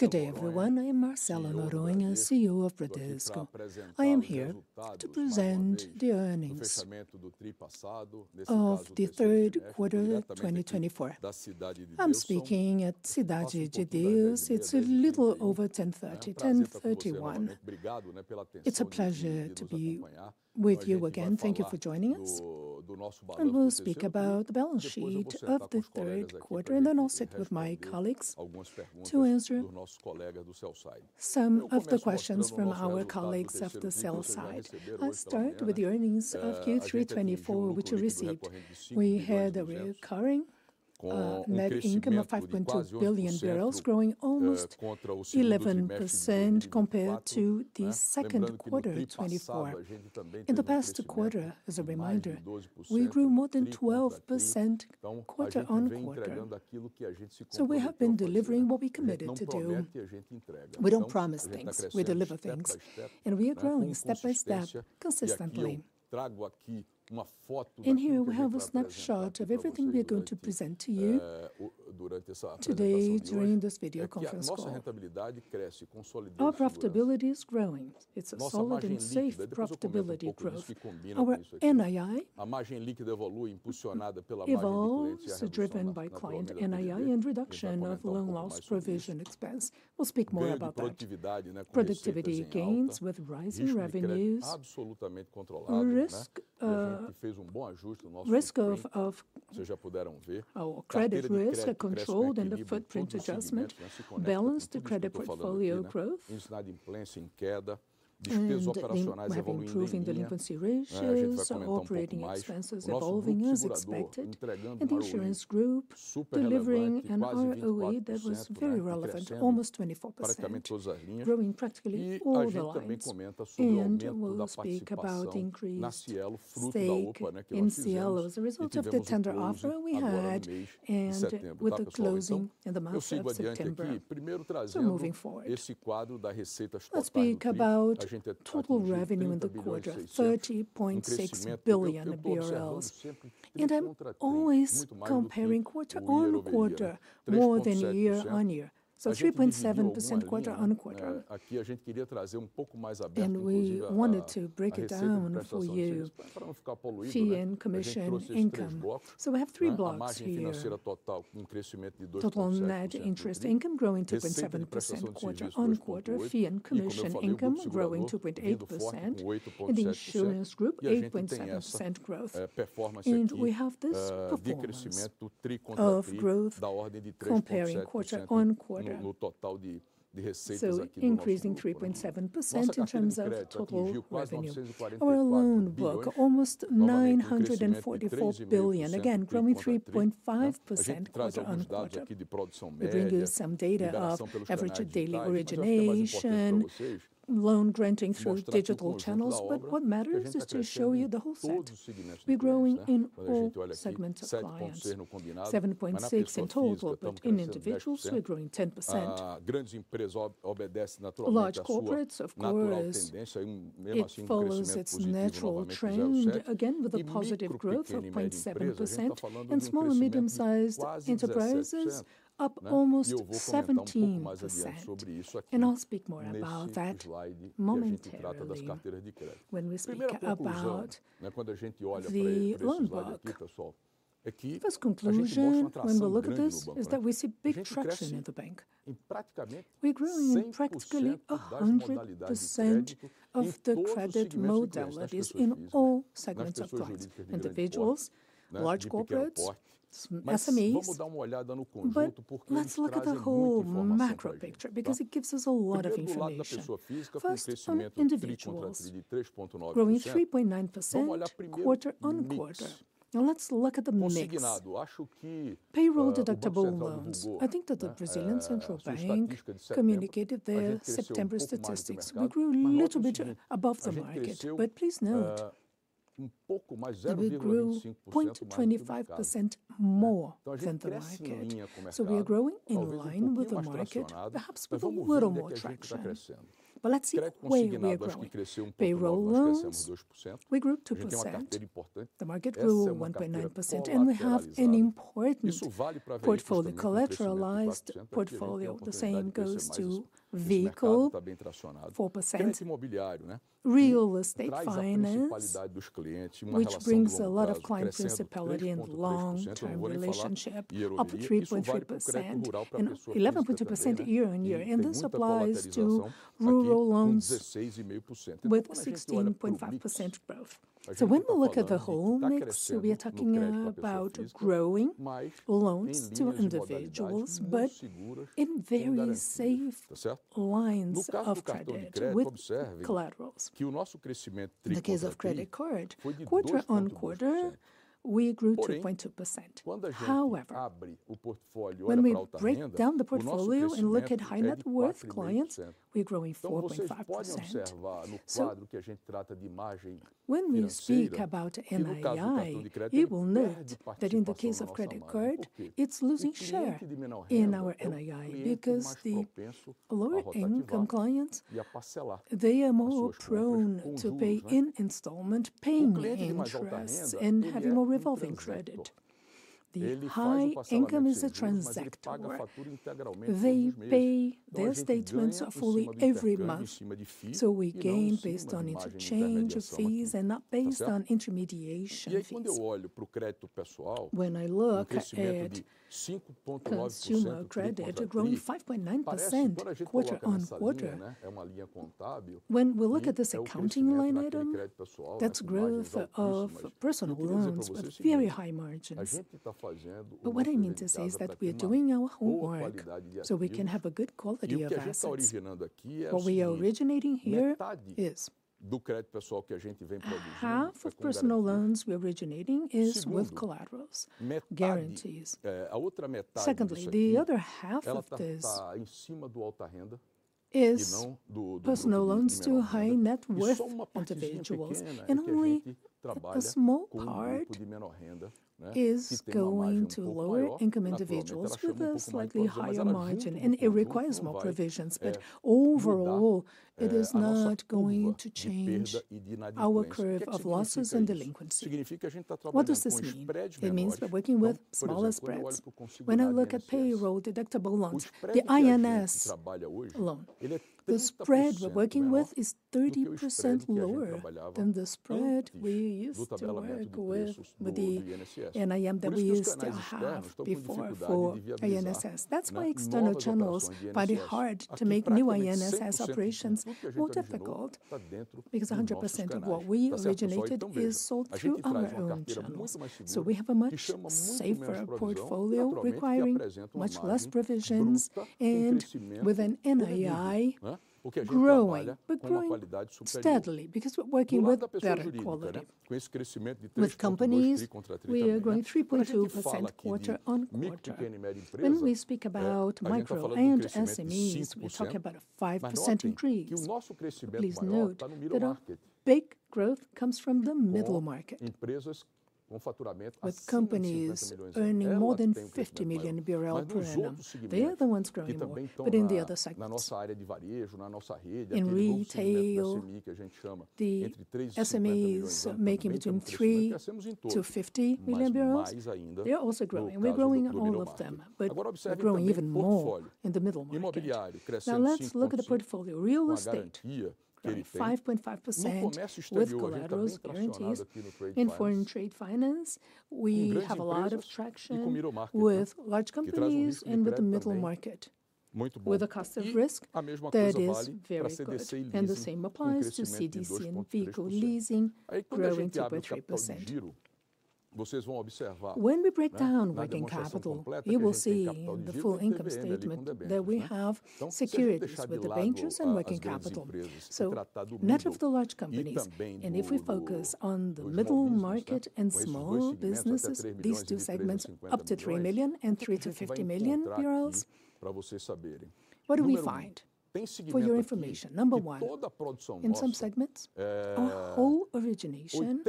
Good day, everyone. I am Marcelo Noronha, CEO of Bradesco. I am here to present the earnings of the third quarter of 2024. I'm speaking at Cidade de Deus. It's a little over 10:30 A.M., 10:31 A.M. It's a pleasure to be with you again. Thank you for joining us, and we'll speak about the balance sheet of the third quarter, and then I'll sit with my colleagues to answer some of the questions from our colleagues of the sales side. I'll start with the earnings of Q3 2024, which we received. We had a recurring net income of 5.2 billion, growing almost 11% compared to the second quarter of 2024. In the past quarter, as a reminder, we grew more than 12% quarter on quarter, so we have been delivering what we committed to do. We don't promise things. We deliver things, and we are growing step by step, consistently. In here, we have a snapshot of everything we are going to present to you today during this video conference call. Our profitability is growing. It's a solid and safe profitability growth. Our NII evolves driven by client NII and reduction of loan loss provision expense. We'll speak more about that. Productivity gains with rising revenues, risk of credit risk controlled and the footprint adjustment, balanced credit portfolio growth, improving delinquency ratios, operating expenses evolving as expected, and the insurance group delivering an ROE that was very relevant, almost 24%, growing practically all the line, and we'll speak about the increase in Cielo as a result of the tender offer we had and with the closing in the month of September, so moving forward, let's speak about total revenue in the quarter: 30.6 billion BRL, and I'm always comparing quarter on quarter more than year on year. So 3.7% quarter on quarter. And we wanted to break it down for you: fee and commission income. So we have three blocks here. Total net interest income growing 2.7% quarter on quarter. Fee and commission income growing 2.8%. And the insurance group, 8.7% growth. And we have this performance of growth comparing quarter on quarter. So increasing 3.7% in terms of total revenue. Our loan book, almost 944 billion, again, growing 3.5% quarter on quarter. We bring you some data of average daily origination, loan granting through digital channels. But what matters is to show you the whole set. We're growing in all segments of clients. 7.6% in total, but in individuals, we're growing 10%. Large corporates, of course, it follows its natural trend, again, with a positive growth of 0.7%, and small and medium-sized enterprises up almost 17%. I'll speak more about that momentarily when we speak about the loan book. First conclusion when we look at this is that we see big traction in the bank. We grew in practically 100% of the credit model that is in all segments of clients: individuals, large corporates, SMEs. Let's look at the whole macro picture because it gives us a lot of information. First, on individuals, growing 3.9% quarter on quarter. Let's look at the mix: payroll deductible loans. I think that the Brazilian central bank communicated their September statistics. We grew a little bit above the market, but please note that we grew 0.25% more than the market. We are growing in line with the market, perhaps with a little more traction. Let's see where we are growing. Payroll loans, we grew 2%. The market grew 1.9%. We have an important portfolio, collateralized portfolio. The same goes to vehicle, 4%. Real estate finance, which brings a lot of client profitability and long-term relationship, up 3.3% and 11.2% year on year. This applies to rural loans with 16.5% growth. When we look at the whole mix, we are talking about growing loans to individuals but in very safe lines of credit with collaterals. In the case of credit card, quarter on quarter, we grew 2.2%. However, when we break down the portfolio and look at high-net-worth clients, we're growing 4.5%. When we speak about NII, you will note that in the case of credit card, it's losing share in our NII because the lower-income clients, they are more prone to pay in installment, paying interest and having more revolving credit. The high income is a transaction where they pay their statements fully every month. So we gain based on interchange of fees and not based on intermediation fees. When I look at consumer credit, growing 5.9% quarter on quarter, when we look at this accounting line item, that's growth of personal loans with very high margins. But what I mean to say is that we are doing our homework so we can have a good quality of assets. What we are originating here is half of personal loans we are originating is with collaterals, guarantees. Secondly, the other half of this is personal loans to high-net-worth individuals. And only a small part is going to lower-income individuals with a slightly higher margin. And it requires more provisions, but overall, it is not going to change our curve of losses and delinquency. What does this mean? It means we're working with smaller spreads. When I look at payroll deductible loans, the INSS loan, the spread we're working with is 30% lower than the spread we used to work with, with the NIM that we used to have before for INSS. That's why external channels fight hard to make new INSS operations more difficult because 100% of what we originated is sold through our own channels. So we have a much safer portfolio requiring much less provisions and with an NII growing, but growing steadily because we're working with better quality. With companies, we are growing 3.2% quarter on quarter. When we speak about micro and SMEs, we talk about a 5% increase. Please note that our big growth comes from the middle market, with companies earning more than 50 million BRL per annum. They are the ones growing, but in the other segments, in retail, SMEs making between 3-50 million BRL, they're also growing. We're growing all of them, but we're growing even more in the middle market. Now let's look at the portfolio. Real estate, 5.5% with collaterals, guarantees, in foreign trade finance. We have a lot of traction with large companies and with the middle market, with a cost of risk that is very good. And the same applies to CDC and vehicle leasing, growing 2.3%. When we break down working capital, you will see the full income statement that we have securities with the bankers and working capital. So net of the large companies, and if we focus on the middle market and small businesses, these two segments, up to 3 million and 3-50 million BRL, what do we find? For your information, number one, in some segments, our whole origination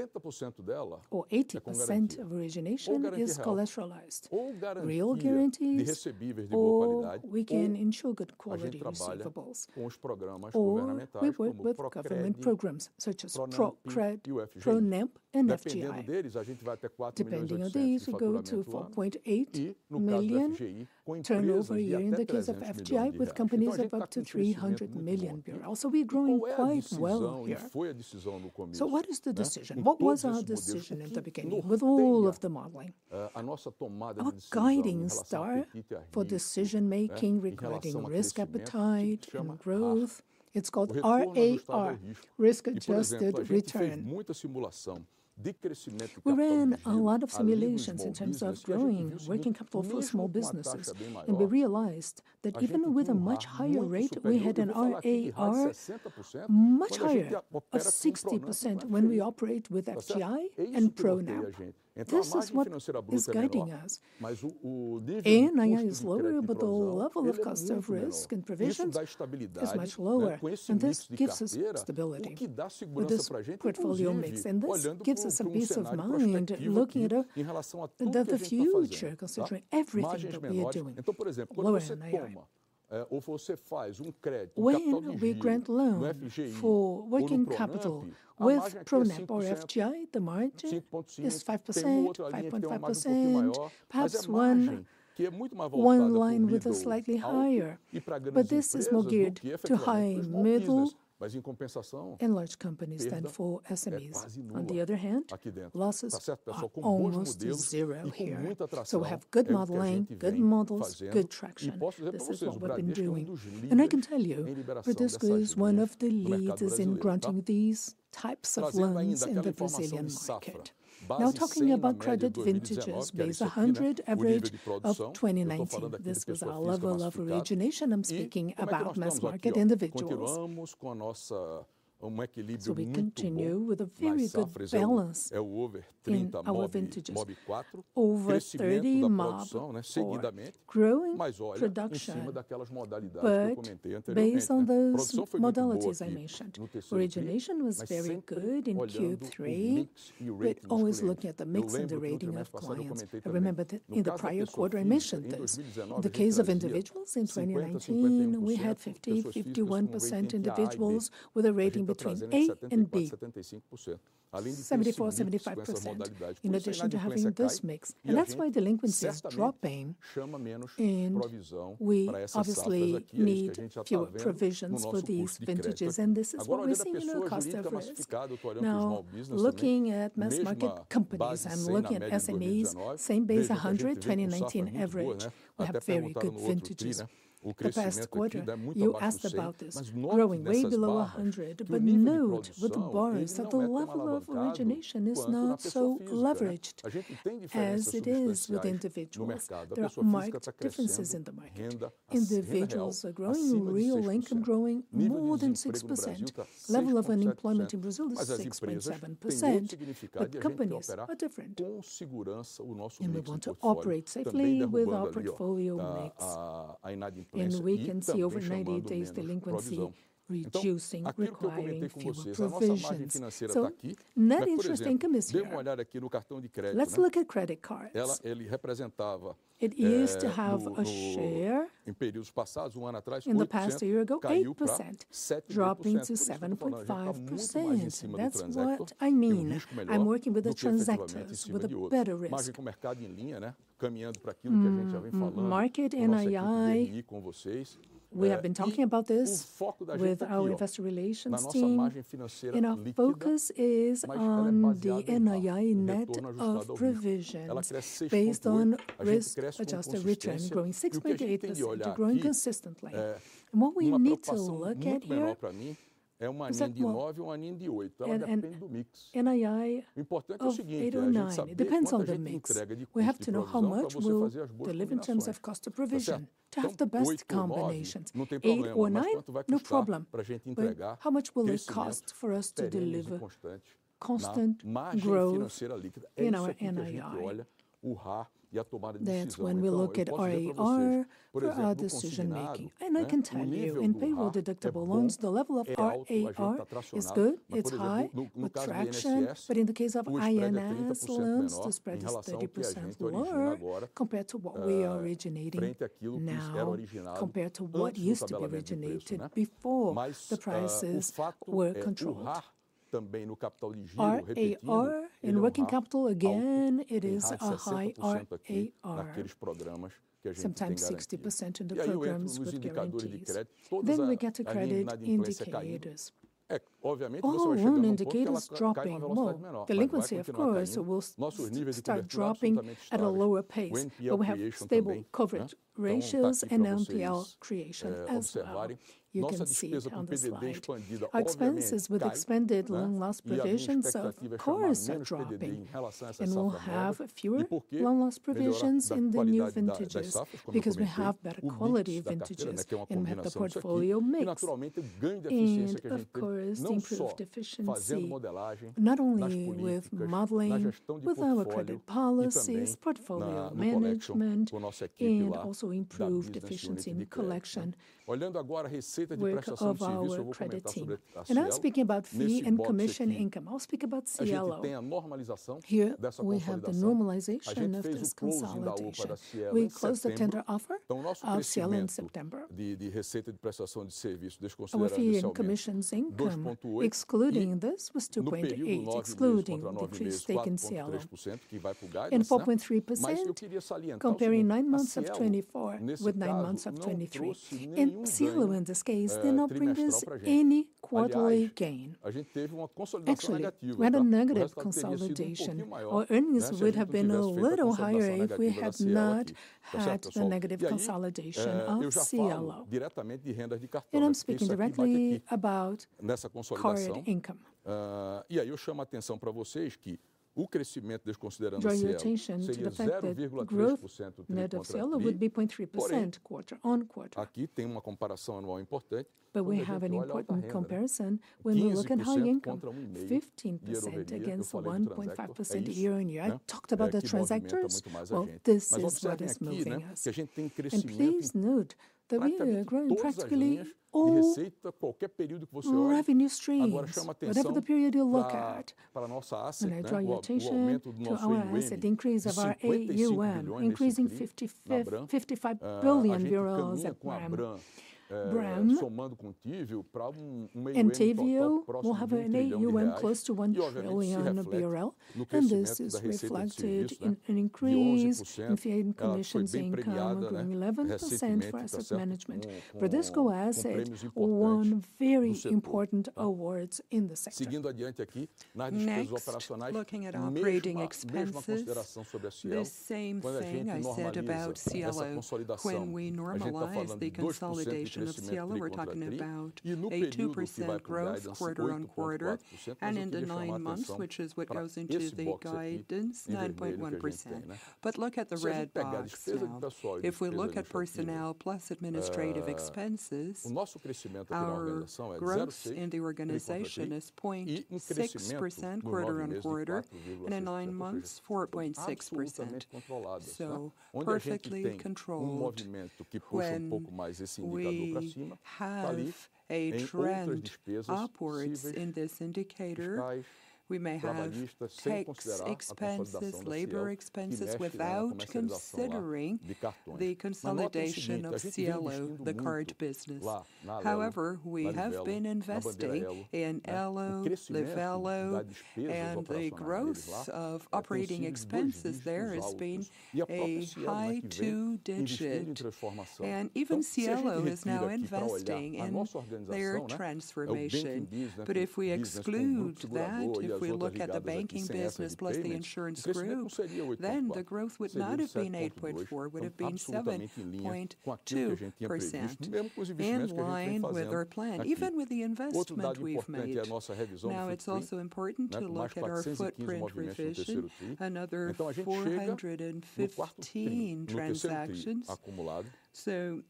or 80% of origination is collateralized. Real guarantees, we can ensure good quality receivables with government programs such as ProCred, Pronampe, and FGI. Depending on these, we go to 4.8 million turnover year in the case of FGI with companies of up to 300 million BRL. So we're growing quite well here. So what is the decision? What was our decision in the beginning with all of the modeling? Our guiding star for decision-making regarding risk appetite and growth, it's called RAR, risk-adjusted return. We ran a lot of simulations in terms of growing working capital for small businesses, and we realized that even with a much higher rate, we had an RAR much higher, of 60% when we operate with FGI and Pronampe. This is what is guiding us. NII is lower, but the level of cost of risk and provisions is much lower, and this gives us stability with this portfolio mix, and this gives us a peace of mind looking at the future, considering everything that we are doing. When we grant loans for working capital with Pronampe or FGI, the margin is 5%, 5.5%, perhaps one line with a slightly higher. But this is more geared to high, middle, and large companies than for SMEs. On the other hand, losses almost zero here, so we have good modeling, good models, good traction. This is what we've been doing, and I can tell you, Bradesco is one of the leaders in granting these types of loans in the Brazilian market. Now, talking about credit vintages, based on 100 average of 2019, this was our level of origination. I'm speaking about mass market individuals. So we continue with a very good balance in our vintages, over 30 MOB, growing production, but based on those modalities I mentioned. Origination was very good in Q3, but always looking at the mix and the rating of clients. I remember that in the prior quarter, I mentioned this. In the case of individuals in 2019, we had 50%-51% individuals with a rating between A and B, 74%-75%, in addition to having this mix, and that's why delinquency is dropping, and we obviously need fewer provisions for these vintages, and this is what we're seeing in our cost of risk. Now, looking at mass market companies, I'm looking at SMEs, same base 100, 2019 average. We have very good vintages. The past quarter, you asked about this, growing way below 100, but note with the borrowers that the level of origination is not so leveraged as it is with individuals. There are marked differences in the market. Individuals are growing, real income growing more than 6%. Level of unemployment in Brazil is 6.7%, but companies are different. And we want to operate safely with our portfolio mix. And we can see over 90 days delinquency reducing, requiring fewer provisions. So net interest income is zero. Let's look at credit cards. It used to have a share in the past year ago, 8%, dropping to 7.5%. That's what I mean. I'm working with a transaction with a better risk. We have been talking about this with our investor relations team, and our focus is on the NII net of provision based on risk-adjusted return, growing 6.8%, growing consistently. And what we need to look at here is eight or nine. It depends on the mix. We have to know how much we'll deliver in terms of cost of provision to have the best combinations. Eight or nine, no problem. How much will it cost for us to deliver constant growth in our NII? That's when we look at RAR for our decision-making. And I can tell you, in payroll deductible loans, the level of RAR is good, it's high, with traction. But in the case of INSS loans, the spread is 30% lower compared to what we are originating now, compared to what used to be originated before the prices were controlled. RAR in working capital, again, it is a high RAR. Sometimes 60% in the programs with guarantees, then we get to credit indicators. All indicators dropping more. Delinquency, of course, will start dropping at a lower pace, but we have stable coverage ratios and NPL creation as well. You can see on the screen our expenses with expanded loan loss provisions, of course, are dropping. We'll have fewer loan loss provisions in the new vintages because we have better quality vintages and met the portfolio mix. Of course, improved efficiency, not only with modeling, with our credit policies, portfolio management, and also improved efficiency in collection of our credit team. I'm speaking about fee and commission income. I'll speak about CLO. Here, we have the normalization of this consolidation. We closed the tender offer of CLO in September. Our fee and commission income, excluding this, was 2.8%, excluding decreased take in CLO, and 4.3% comparing nine months of 2024 with nine months of 2023. And Cielo in this case did not bring us any quarterly gain. Actually, we had a negative consolidation. Our earnings would have been a little higher if we had not had the negative consolidation of Cielo. And I'm speaking directly about current income. A growth net of Cielo would be 0.3% quarter on quarter. Aqui tem uma comparação anual importante. But we have an important comparison when we look at high income, 15% against 1.5% year on year. I talked about the transactions. Well, this is what is moving us. And please note that we are growing practically all revenue streams, whatever the period you look at. And our drawing rotation to our recent increase of our AUM, increasing BRL 55 billion at Ágora. And in total, we'll have an AUM close to BRL 1 trillion. This is reflected in an increase in fee and commissions income, growing 11% for asset management. Bradesco has had one very important award in the sector. Now, looking at our operating expenses, the same thing we said about CLO. When we normalize the consolidation of CLO, we're talking about a 2% growth quarter on quarter. In the 9 months, which is what goes into the guidance, 9.1%. But look at the red box here. If we look at personnel plus administrative expenses, our growth in the organization is 0.6% quarter on quarter, and in 9 months, 4.6%. So perfectly controlled. When we have a trend upwards in this indicator, we may have to take expenses, labor expenses, without considering the consolidation of CLO, the current business. However, we have been investing in Elo, Livelo, and the growth of operating expenses there has been a high two-digit. Even Cielo is now investing in their transformation. If we exclude that, if we look at the banking business plus the insurance group, then the growth would not have been 8.4%, it would have been 7.2%, in line with our plan, even with the investment we've made. Now, it is also important to look at our footprint revision, another 415 transactions.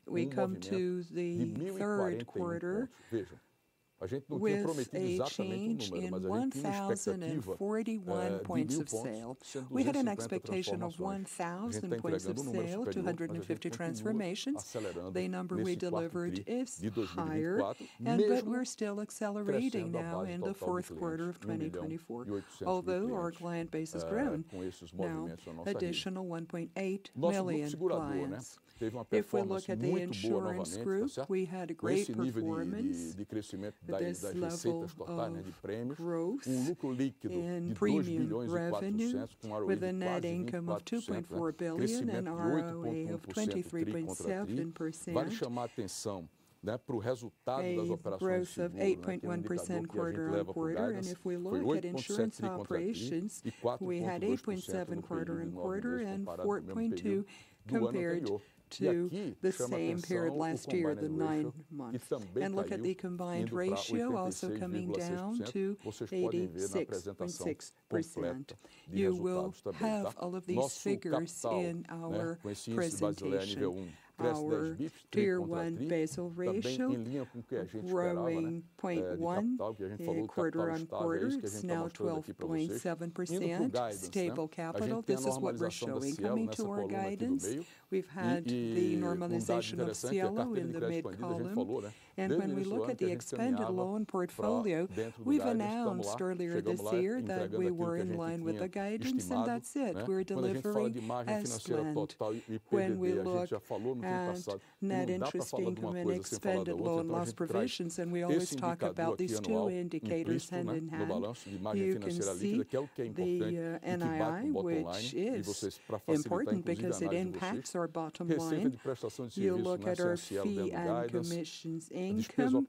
We come to the third quarter. We had an expectation of 1,000 points of sale, 250 transformations. The number we delivered is higher, but we are still accelerating now in the fourth quarter of 2024, although our client base has grown. Now, additional 1.8 million clients. If we look at the insurance group, we had great performance. This level of growth in premium revenue, with a net income of 2.4 billion and RAR of 23.7%, growth of 8.1% quarter on quarter. And if we look at insurance operations, we had 8.7 quarter on quarter and 4.2 compared to the same period last year, the nine months. And look at the combined ratio, also coming down to 86.6%. You will have all of these figures in our presentation. Our Tier 1 Basel ratio, growing 0.1 quarter on quarter, now 12.7%, stable capital. This is what we're showing coming to our guidance. We've had the normalization of CLO in the mid column. And when we look at the expanded loan portfolio, we've announced earlier this year that we were in line with the guidance, and that's it. We're delivering as planned. When we look at net interest income and expanded loan loss provisions, and we always talk about these two indicators hand in hand, you can see the NII, which is important because it impacts our bottom line. You look at our fee and commissions income,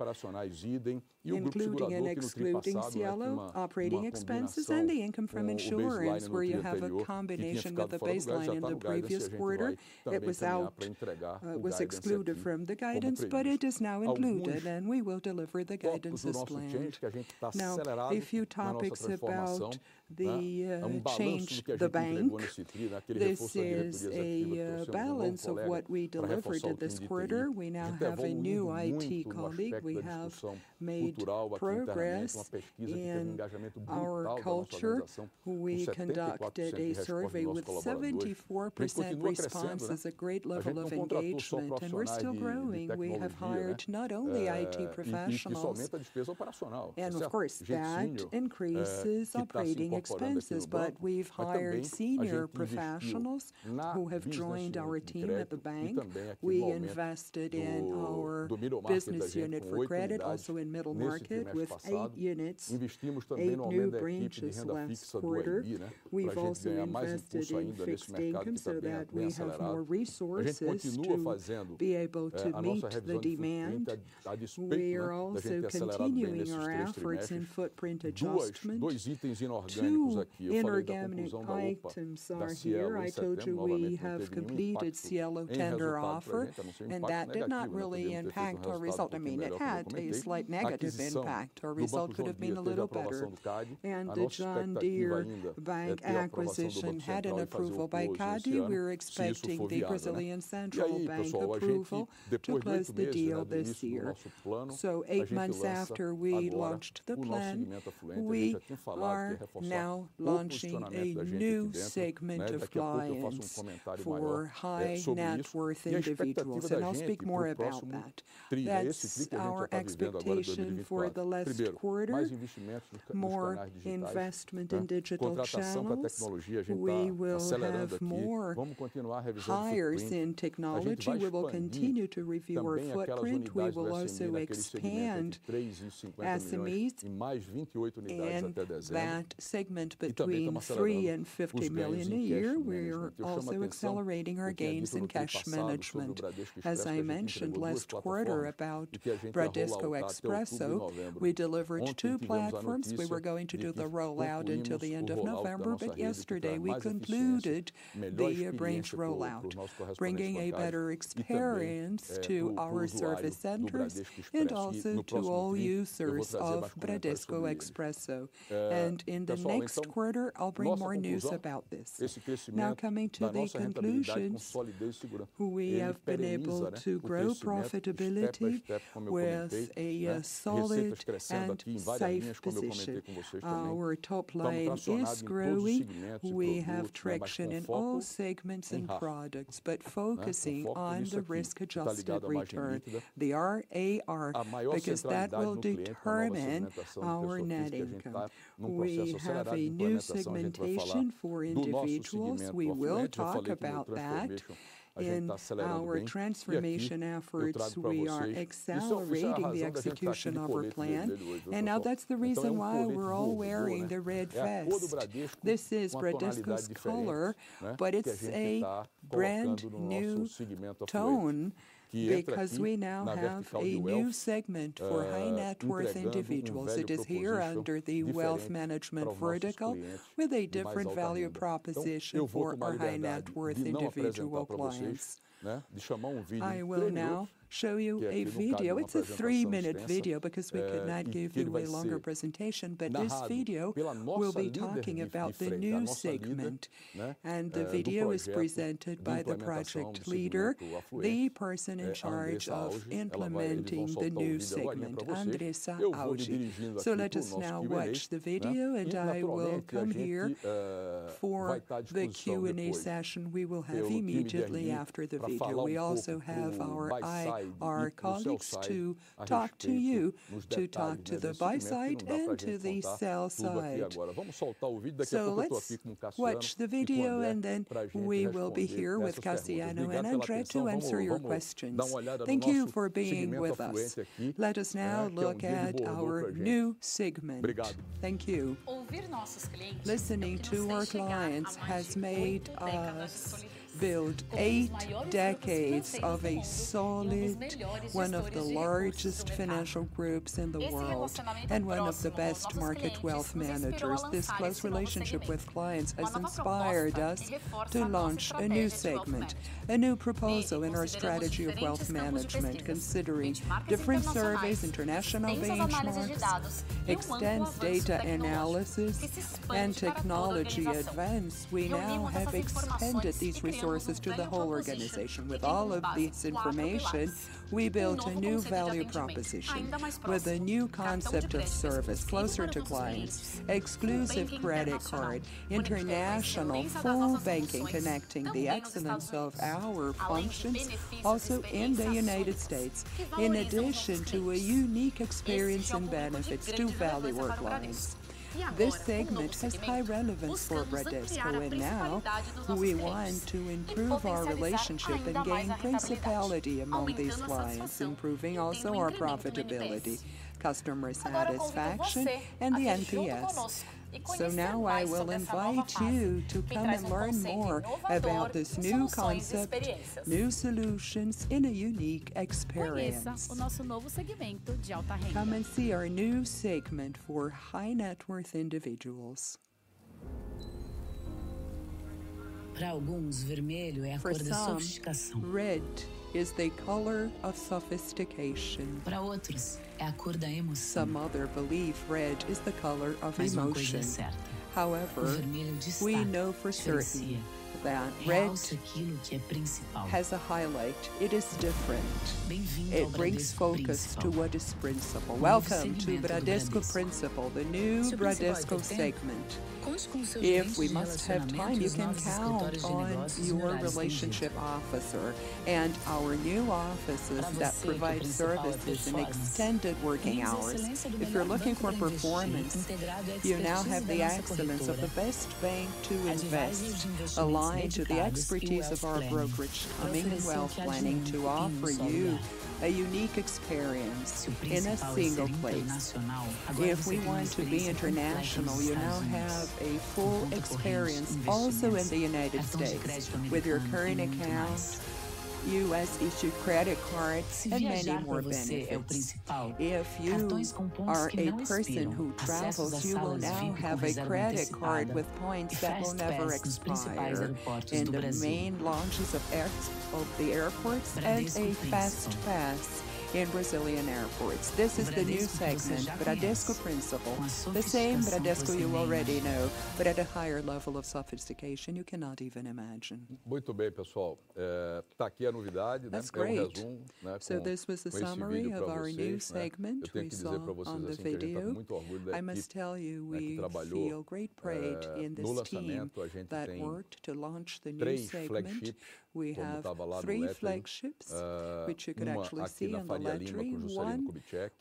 including and excluding CLO, operating expenses, and the income from insurance, where you have a combination with the baseline in the previous quarter. It was excluded from the guidance, but it is now included, and we will deliver the guidance as planned. Now, a few topics about the change of the bank. This is a balance of what we delivered in this quarter. We now have a new IT colleague. We have made progress in our culture. We conducted a survey with 74% response, a great level of engagement, and we're still growing. We have hired not only IT professionals, and of course, that increases operating expenses, but we've hired senior professionals who have joined our team at the bank. We invested in our business unit for credit, also in middle market, with eight units, eight new branches last quarter. We've also invested in fixed income so that we have more resources to be able to meet the demand. We are also continuing our efforts in footprint adjustment. Two inorganic items are here. I told you we have completed Cielo tender offer, and that did not really impact our result. I mean, it had a slight negative impact. Our result could have been a little better. And the John Deere Bank acquisition had an approval by CADE. We were expecting the Brazilian central bank approval to close the deal this year. So, eight months after we launched the plan, we are now launching a new segment of clients for high net worth individuals, and I'll speak more about that. That's our expectation for the last quarter: more investment in digital channels. We will have more hires in technology. We will continue to review our footprint. We will also expand SMEs in that segment between 3 million and 50 million a year. We are also accelerating our gains in cash management. As I mentioned last quarter about Bradesco Expresso, we delivered two platforms. We were going to do the rollout until the end of November, but yesterday we concluded the branch rollout, bringing a better experience to our service centers and also to all users of Bradesco Expresso. In the next quarter, I will bring more news about this. Now, coming to the conclusions, we have been able to grow profitability with a solid and safe position. Our top line is growing. We have traction in all segments and products, but focusing on the risk-adjusted return, the RAR, because that will determine our net income. We have a new segmentation for individuals. We will talk about that in our transformation efforts. We are accelerating the execution of our plan. And now that's the reason why we're all wearing the red vest. This is Bradesco's color, but it's a brand new tone because we now have a new segment for high net worth individuals. It is here under the wealth management vertical, with a different value proposition for our high net worth individual clients. I will now show you a video. It's a three-minute video because we could not give you a longer presentation, but this video will be talking about the new segment. And the video is presented by the project leader, the person in charge of implementing the new segment, Andressa Augy. So let us now watch the video, and I will come here for the Q&A session we will have immediately after the video. We also have our IR colleagues to talk to you, to talk to the buy side and to the sell side. So let's watch the video, and then we will be here with Cassiano and André to answer your questions. Thank you for being with us. Let us now look at our new segment. Thank you. Listening to our clients has made us build eight decades of a solid, one of the largest financial groups in the world, and one of the best market wealth managers. This close relationship with clients has inspired us to launch a new segment, a new proposal in our strategy of wealth management, considering different surveys, international benchmarks, extensive data analysis, and technology advance. We now have extended these resources to the whole organization. With all of this information, we built a new value proposition with a new concept of service closer to clients: exclusive credit card, international full banking, connecting the excellence of our functions also in the United States, in addition to a unique experience and benefits to value our clients. This segment has high relevance for Bradesco, and now we want to improve our relationship and gain primacy among these clients, improving also our profitability, customer satisfaction, and the NPS. So now I will invite you to come and learn more about this new concept, new solutions, in a unique experience. Come and see our new segment for high net worth individuals. Para alguns, vermelho é a cor da sofisticação. Red is the color of sophistication. Para outros, é a cor da emoção. Some others believe red is the color of emotion. O vermelho é certo. However, we know for certain that red é o que é principal. It has a highlight. It is different. Bem-vindo ao Bradesco. It brings focus to what is principal. Welcome to Bradesco Principal, the new Bradesco segment. If we must have time, you can count on your relationship officer and our new offices that provide services in extended working hours. If you're looking for performance, you now have the excellence of the best bank to invest, aligned to the expertise of our brokerage, coming and wealth planning to offer you a unique experience in a single place. If we want to be international, you now have a full experience also in the United States with your current account, U.S.-issued credit cards, and many more benefits. If you are a person who travels, you will now have a credit card with points that will never expire in the main lounges at airports and a fast pass in Brazilian airports. This is the new segment, Bradesco Principal, the same Bradesco you already know, but at a higher level of sophistication you cannot even imagine. Muito bem, pessoal. Está aqui a novidade, né? That's great. So this was the summary of our new segment. Eu tenho certeza para vocês da gente que estamos muito orgulhoso. I must tell you we feel great pride in this segment. No lançamento, a gente tem network to launch the new segment. Temos três flagships, three flagships, which you can actually see in the library. One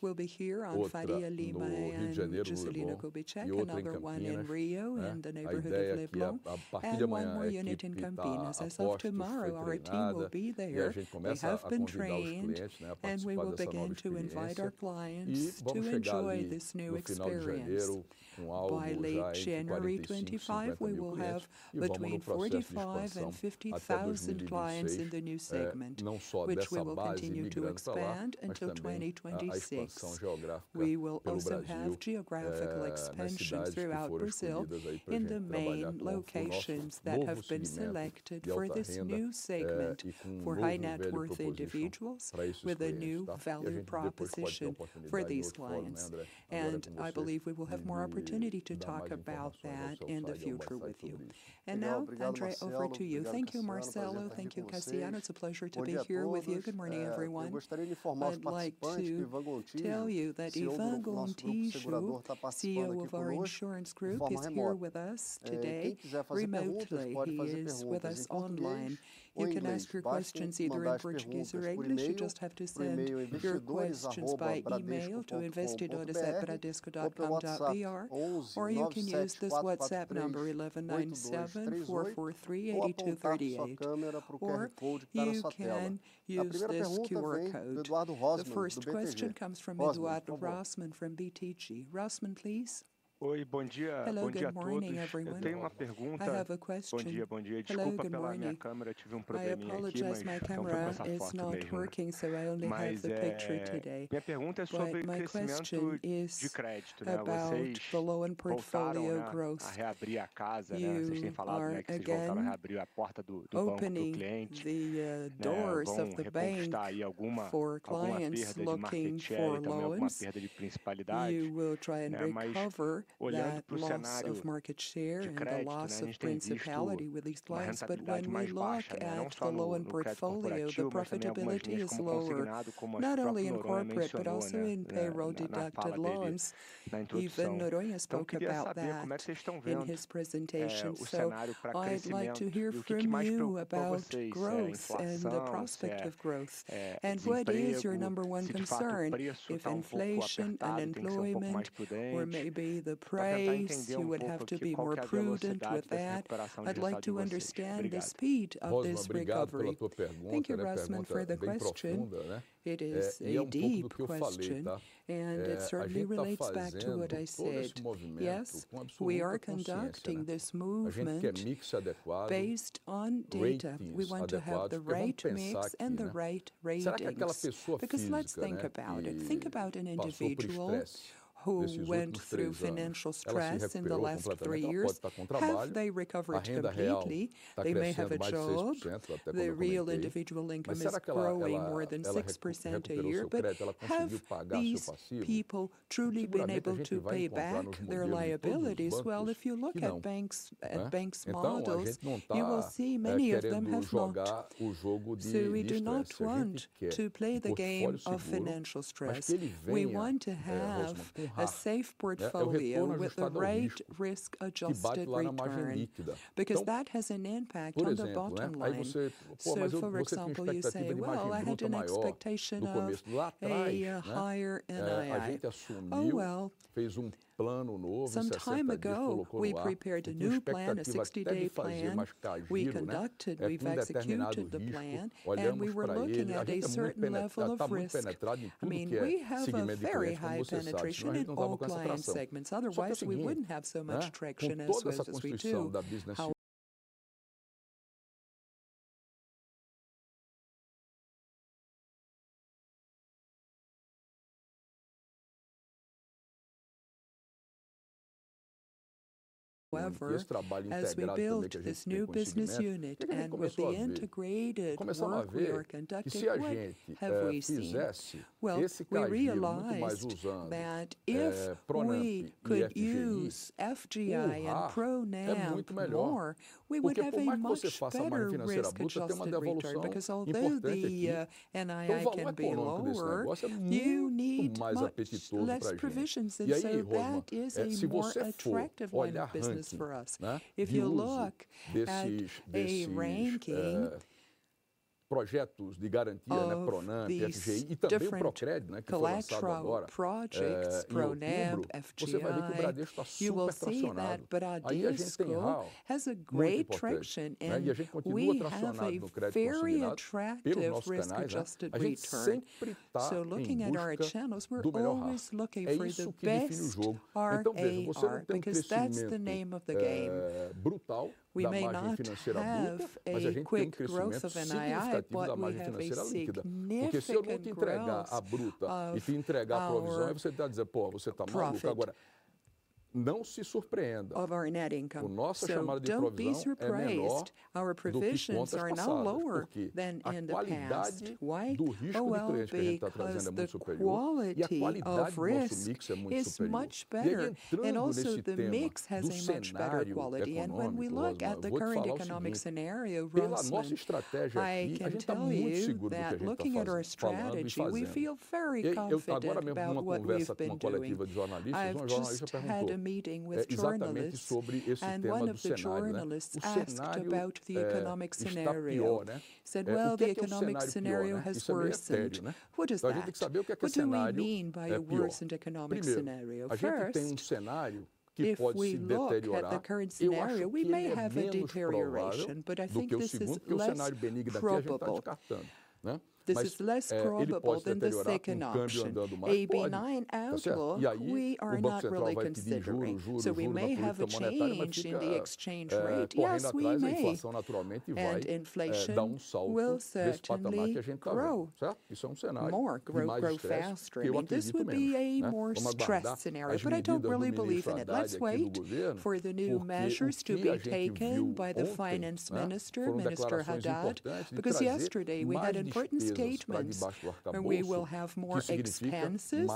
will be here on Faria Lima and Juscelino Kubitschek, and another one in Rio in the neighborhood of Leblon. A partir de amanhã, we're going to be in Campinas. As of tomorrow, our team will be there. They have been trained, and we will begin to invite our clients to enjoy this new experience. By late January 2025, we will have between 45,000 and 50,000 clients in the new segment, which we will continue to expand until 2026. We will also have geographical expansion throughout Brazil in the main locations that have been selected for this new segment for high net worth individuals, with a new value proposition for these clients. I believe we will have more opportunity to talk about that in the future with you. Now, André, over to you. Thank you, Marcelo. Thank you, Cassiano. It's a pleasure to be here with you. Good morning, everyone. I'd like to tell you that Ivan Gontijo, CEO of our insurance group, is here with us today remotely. He is with us online. You can ask your questions either in Portuguese or English. You just have to send your questions by email to investidores@bradesco.com.br, or you can use this WhatsApp number, 1197-443-8238, or you can use this QR code. The first question comes from Eduardo Rossmann from BTG. Rossmann, please. Oi, bom dia. Hello, good morning, everyone. Eu tenho uma pergunta. I have a question. Desculpa, minha câmera, eu tive probleminha. I apologize, my camera is not working, so I only have the picture today. Minha pergunta é sobre uma questão de crédito. About the loan portfolio growth. E a gente tem falado muito sobre isso. A gente está reabrindo a porta do cliente, the doors of the bank, for clients looking for loans. Eu tenho uma perda de Principal. We will try and recover, olhando para o cenário of market share and the loss of Principal with these clients. But when we look at the loan portfolio, the profitability is lower, not only in corporate but also in payroll deducted loans. Even Noronha spoke about that in his presentation. I'd like to hear from you about growth and the prospect of growth. What is your number one concern? If inflation and unemployment were maybe the price, you would have to be more prudent with that. I'd like to understand the speed of this recovery. Thank you, Rossmann, for the question. It is a deep question, and it certainly relates back to what I said. Yes, we are conducting this movement based on data. We want to have the right mix and the right ratings. Because let's think about it. Think about an individual who went through financial stress in the last three years. Have they recovered completely? They may have a job. The real individual income is growing more than 6% a year. But have these people truly been able to pay back their liabilities? Well, if you look at banks and banks' models, you will see many of them have not. So we do not want to play the game of financial stress. We want to have a safe portfolio with the right risk-adjusted return, because that has an impact on the bottom line. So, for example, you say, well, I had an expectation of a higher NII. Oh, well, some time ago, we prepared a new plan, a 60-day plan. We conducted, we've executed the plan, and we were looking at a certain level of risk. I mean, we have a very high penetration in all client segments. Otherwise, we wouldn't have so much traction as we do. As we build this new business unit and with the integrated software conducted plan, have we seen? Well, we realized that if we could use FGI and Pronampe more, we would have a much better risk-adjusted evolution, because although the NII can be lower, you need less provisions. And so that is a more attractive line of business for us. If you look at a ranking de garantia na Pronampe e também no ProCred, que começaram agora, você vai ver que o Bradesco you will see that Bradesco has a great traction and we will continue to have a very attractive risk-adjusted return. So looking at our channels, we're always looking for the best RAR. Because that's the name of the game. We may not have a quick growth of NII, but we have a significant entrega a provisão. E você está dizendo, pô, você está maluco. Agora, não se surpreenda. Of our net income. A nossa chamada de provisão our provision is now lower porque a qualidade do risco que o cliente está trazendo é muito superior, e a qualidade do nosso mix é muito superior. And also the mix has a much better quality. And when we look at the current economic scenario temos uma estratégia aqui que a gente está muito seguro de ter. And looking at our strategy, we feel very confident about what we have been doing. I just had a meeting with journalists, and one of the journalists asked about the economic scenario. He said, well, the economic scenario has worsened. What does that mean? What do we mean by a worsened economic scenario? A gente tem cenário que, se a gente olhar para o cenário atual, we may have a deterioration, but I think this is less probable. This is less probable than the second option. AB9 as well, we are not related to the group, so we may have a change in the exchange rate. Yes, we may. And inflation will certainly grow. Isso é cenário que vai grow faster. But this would be a more stressed scenario, but I don't really believe in it. Let's wait for the new measures to be taken by the finance minister, Minister Haddad, because yesterday we had important statements, and we will have more expenses,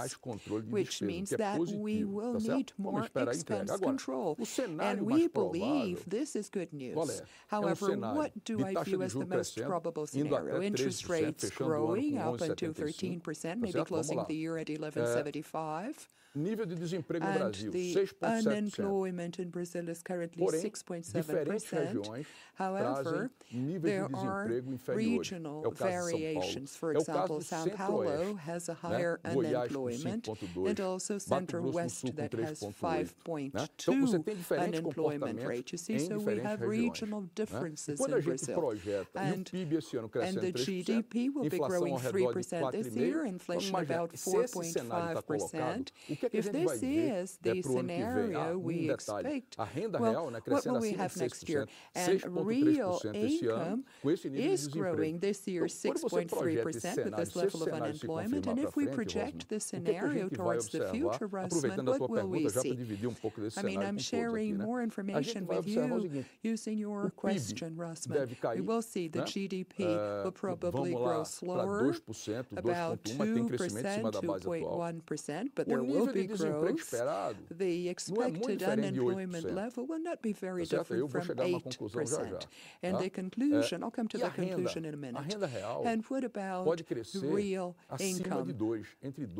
which means that we will need more expense control. And we believe this is good news. However, what do I view as the most probable scenario? Interest rates growing up until 13%, maybe closing the year at 11.75%. The unemployment in Brazil is currently 6.7%. However, there are regional variations. For example, São Paulo has a higher unemployment, and also Center West that has 5.2% unemployment rate. You see, so we have regional differences in Brazil. The GDP will be growing 3% this year, inflation about 4.5%. If this is the scenario we expect, well, what will we have next year? Real income is growing this year 6.3% with this level of unemployment. If we project this scenario towards the future, Rossmann, what will we see? I mean, I'm sharing more information with you using your question, Rossmann. You will see the GDP will probably grow slower, about 2% to 0.1%, but there will be growth. The expected unemployment level will not be very different from 8%. The conclusion, I'll come to the conclusion in a minute. What about the real income?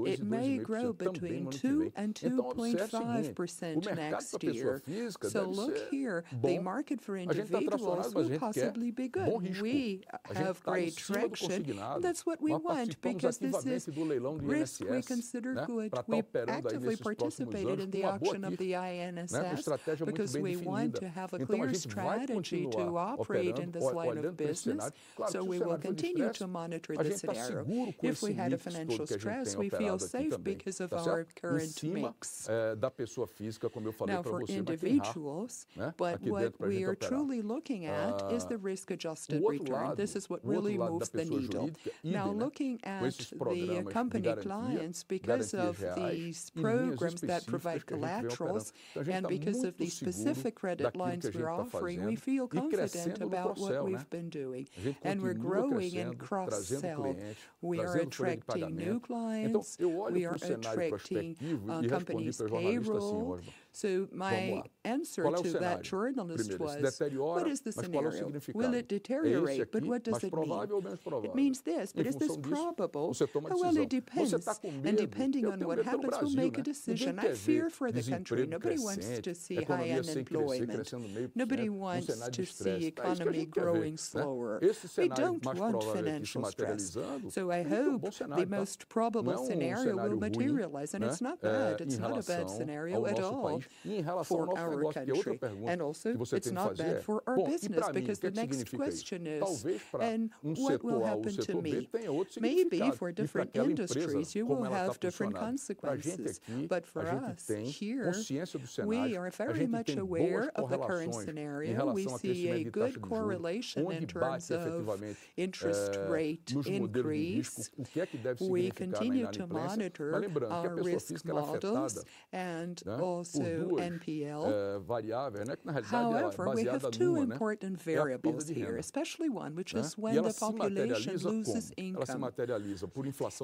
It may grow between 2% and 2.5% next year, so look here, the market for individuals will possibly be good. We have great traction. That's what we want, because this is risk we consider good. We actively participated in the auction of the INSS because we want to have a clear strategy to operate in this line of business, so we will continue to monitor this scenario. If we had a financial stress, we feel safe because of our current mix and individuals, but what we are truly looking at is the risk-adjusted return. This is what really moves the needle. Now, looking at the company clients, because of these programs that provide collaterals and because of the specific credit lines we're offering, we feel confident about what we've been doing, and we're growing and cross-selling. We are attracting new clients. We are attracting companies' payroll. So my answer to that journalist was, what is the scenario? Will it deteriorate? But what does it mean? It means this, but is this probable? Well, it depends. And depending on what happens, we'll make a decision. I fear for the country. Nobody wants to see high unemployment. Nobody wants to see the economy growing slower. We don't want financial stress. So I hope the most probable scenario will materialize. And it's not bad. It's not a bad scenario at all for our country. And also, it's not bad for our business, because the next question is, and what will happen to me? Maybe for different industries, you will have different consequences. But for us here, we are very much aware of the current scenario. We see a good correlation in terms of interest rate increase. We continue to monitor our risk models and also NPL. However, we have two important variables here, especially one, which is when the population loses income.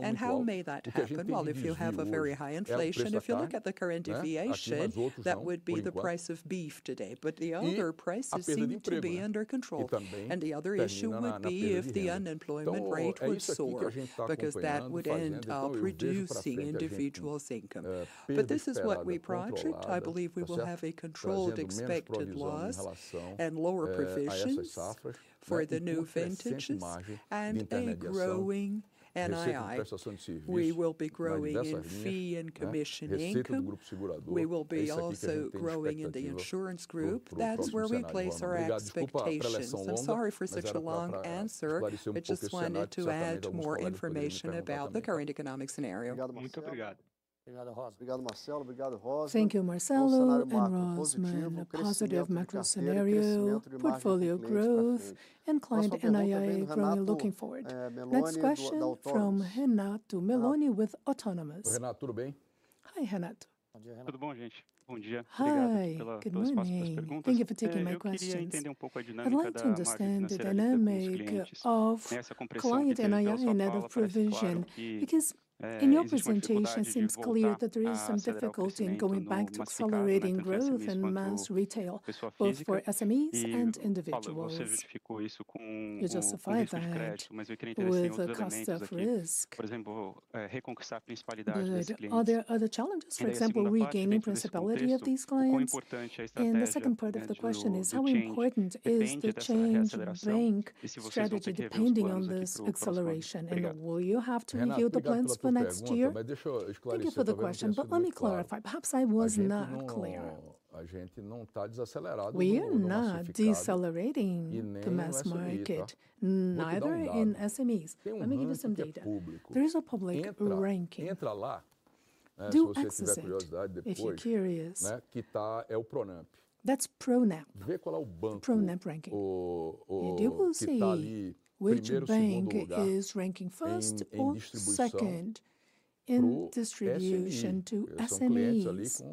And how may that happen? Well, if you have a very high inflation, if you look at the current inflation, that would be the price of beef today. But the other price is needing to be under control. And the other issue would be if the unemployment rate soars, because that would end up reducing individuals' income. But this is what we project. I believe we will have a controlled expected loss and lower provisions for the new vintages and a growing NII. We will be growing in fee and commission income. We will be also growing in the insurance group. That's where we place our expectations. I'm sorry for such a long answer. I just wanted to add more information about the current economic scenario. Thank you, Marcelo and Rossmann. Positive macro scenario, portfolio growth, and client NII growing looking forward. Next question from Renato Meloni with Autonomous. Hi, Renato. Tudo bom, gente? Bom dia. Obrigado pelas respostas às perguntas. Thank you for taking my questions. Eu gostaria de entender um pouco a dinâmica de cliente e a NII and the provision, because in your presentation it seems clear that there is some difficulty in going back to accelerating growth and mass retail, both for SMEs and individuals. You justify that with a cost of risk. Are there other challenges? For example, regaining priority of these clients? And the second part of the question is, how important is the change of bank strategy depending on this acceleration? And will you have to review the plans for next year? Thank you for the question, but let me clarify. Perhaps I was not clear. We are not decelerating the mass market, neither in SMEs. Let me give you some data. There is a public ranking. Do access if you're curious. Isso é o Pronampe. That's Pronampe. Vê qual é o banco. Pronampe ranking. E digo que o primeiro banco é o ranking first or second in distribution to SMEs.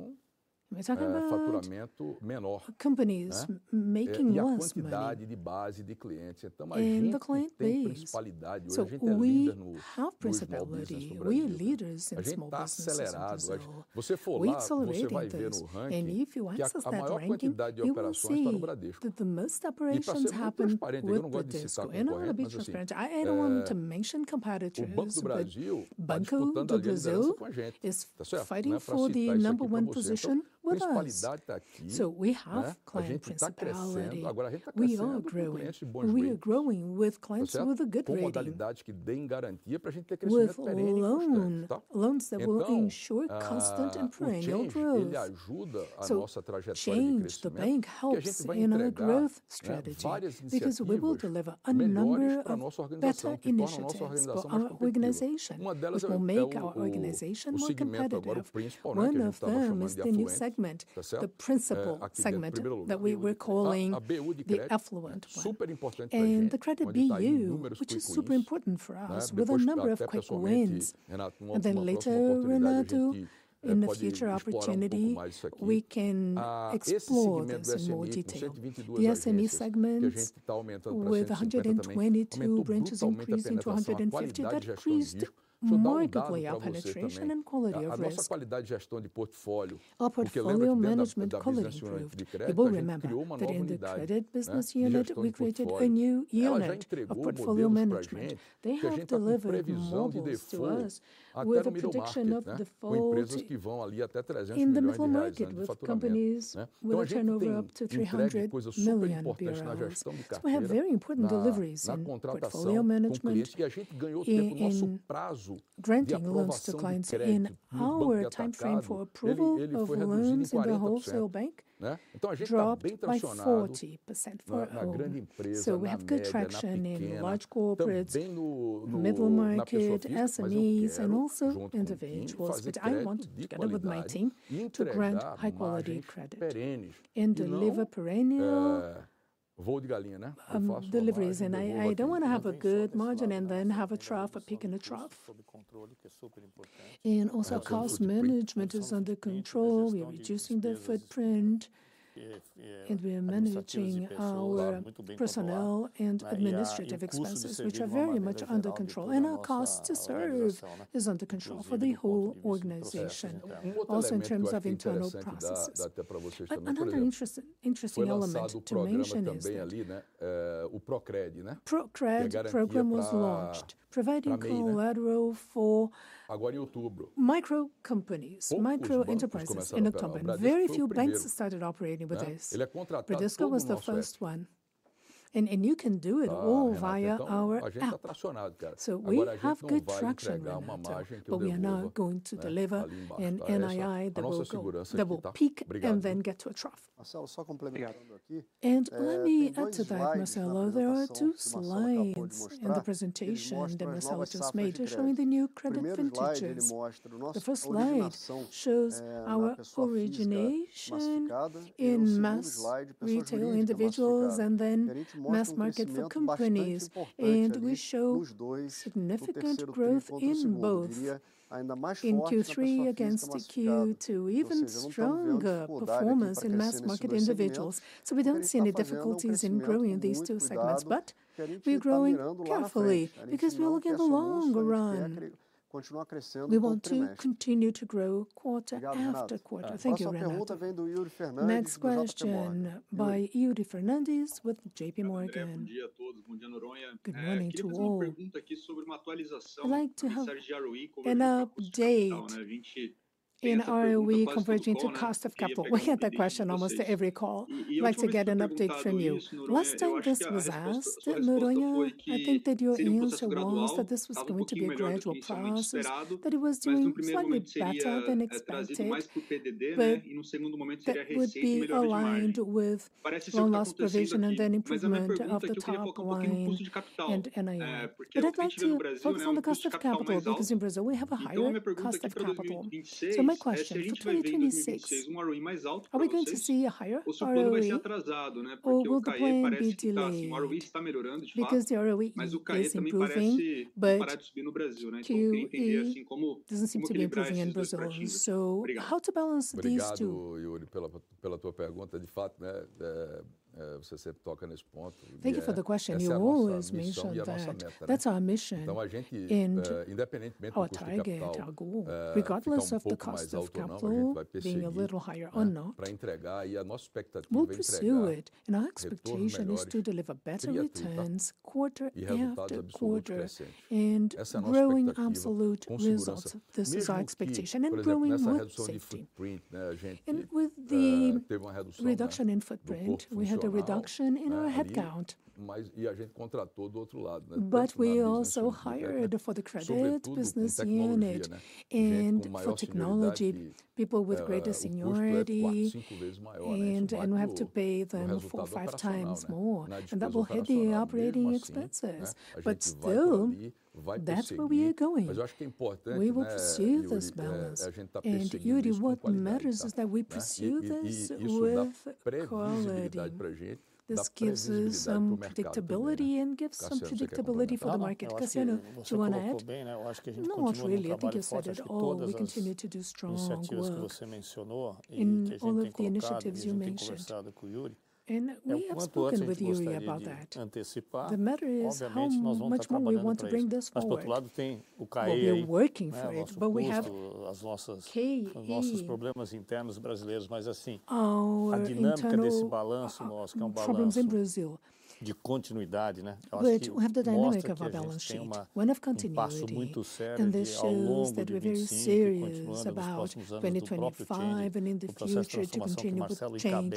We're talking about companies making less money. E a quantidade de base de clientes. And the client base. E a principalidade. So we have leadership. We are leaders in small businesses. Vamos acelerar as coisas. We accelerate and we'll be there in ranking. And if you access that ranking. E a quantidade de operações para o Bradesco. The most operations happen within 40 days. So I want to be transparent. I don't want to mention competitors. O Banco do Brasil, that's fighting for the number one position with us. We have client profitability. We are growing. We are growing with clients with a good rating. With a loan that will ensure constant and perennial growth. Changing the bank helps in our growth strategy, because we will deliver a number of better initiatives for our organization. It will make our organization more competitive. One of them is the new segment, the principal segment that we were calling the affluent one, and the Credit BU, which is super important for us, with a number of quick wins. Then later, Renato, in a future opportunity, we can explore this in more detail. The SME segments with 122 branches increased to 150. That increased markedly our penetration and quality of risk. Our portfolio management quality improved. You will remember that in the credit business unit, we created a new unit of portfolio management. They have delivered more risk to us with a prediction of the slowdown in the middle market with companies with a turnover up to R$300 million. So we have very important deliveries in portfolio management. And in our time frame for approval of loans in the wholesale bank, it dropped by 40% for our group. So we have good traction in large corporates, the middle market, SMEs, and also individuals. But I want, together with my team, to grant high-quality credit and deliver perennial deliveries. And I don't want to have a good margin and then have a trough of picking a trough. And also our cost management is under control. We are reducing the footprint. And we are managing our personnel and administrative expenses, which are very much under control. And our cost to serve is under control for the whole organization, also in terms of internal processes. Another interesting element to mention is that the ProCred program was launched, providing collateral for micro companies, micro enterprises in October. Very few banks started operating with this. Bradesco was the first one. You can do it all via our app. We have good traction right now, but we are now going to deliver an NII that will peak and then get to a trough. Let me add to that, Marcelo. There are two slides in the presentation that Marcelo just made showing the new credit vintages. The first slide shows our origination in mass retail individuals and then mass market for companies. We show significant growth in both in Q3 against Q2, even stronger performance in mass market individuals. So we don't see any difficulties in growing these two segments, but we are growing carefully because we will get a long run. We want to continue to grow quarter after quarter. Thank you, Renato. Next question by Iuri Fernandes with JPMorgan. Good morning to all. I'd like to have an update in ROE converting to cost of capital. We get that question almost every call. I'd like to get an update from you. Last time this was asked, I think that your answer was that this was going to be a gradual process, that it was doing slightly better than expected, but that it would be aligned with one last provision and then improvement of the top line and NII. But I'd like to focus on the cost of capital, because in Brazil we have a higher cost of capital. So my question for 2026, are we going to see a higher ROE or will the growth be delayed? Because the ROE is improving, but Q3, as you can see, is improving in Brazil. So how to balance these two? Thank you for the question. You always mention that. That's our mission. And independently of what you think, regardless of the cost of capital being a little higher or not, we will do it. And our expectation is to deliver better returns quarter after quarter and growing absolute results. This is our expectation. And growing more footprint. And with the reduction in footprint, we had a reduction in our headcount. But we also hired for the credit business unit and for technology, people with greater seniority. And we have to pay them four or five times more. And that will hit the operating expenses. But still, that's where we are going. We will pursue this balance. And Iuri, what matters is that we pursue this with quality. This gives us some predictability and gives some predictability for the market. Cassiano, do you want to add? No, not really. I think you said it all. We continue to do strong work in all of the initiatives you mentioned. And we have spoken with Iuri about that. The matter is how much more we want to bring this forward. We'll be working for it, but we have to continue to continue with change to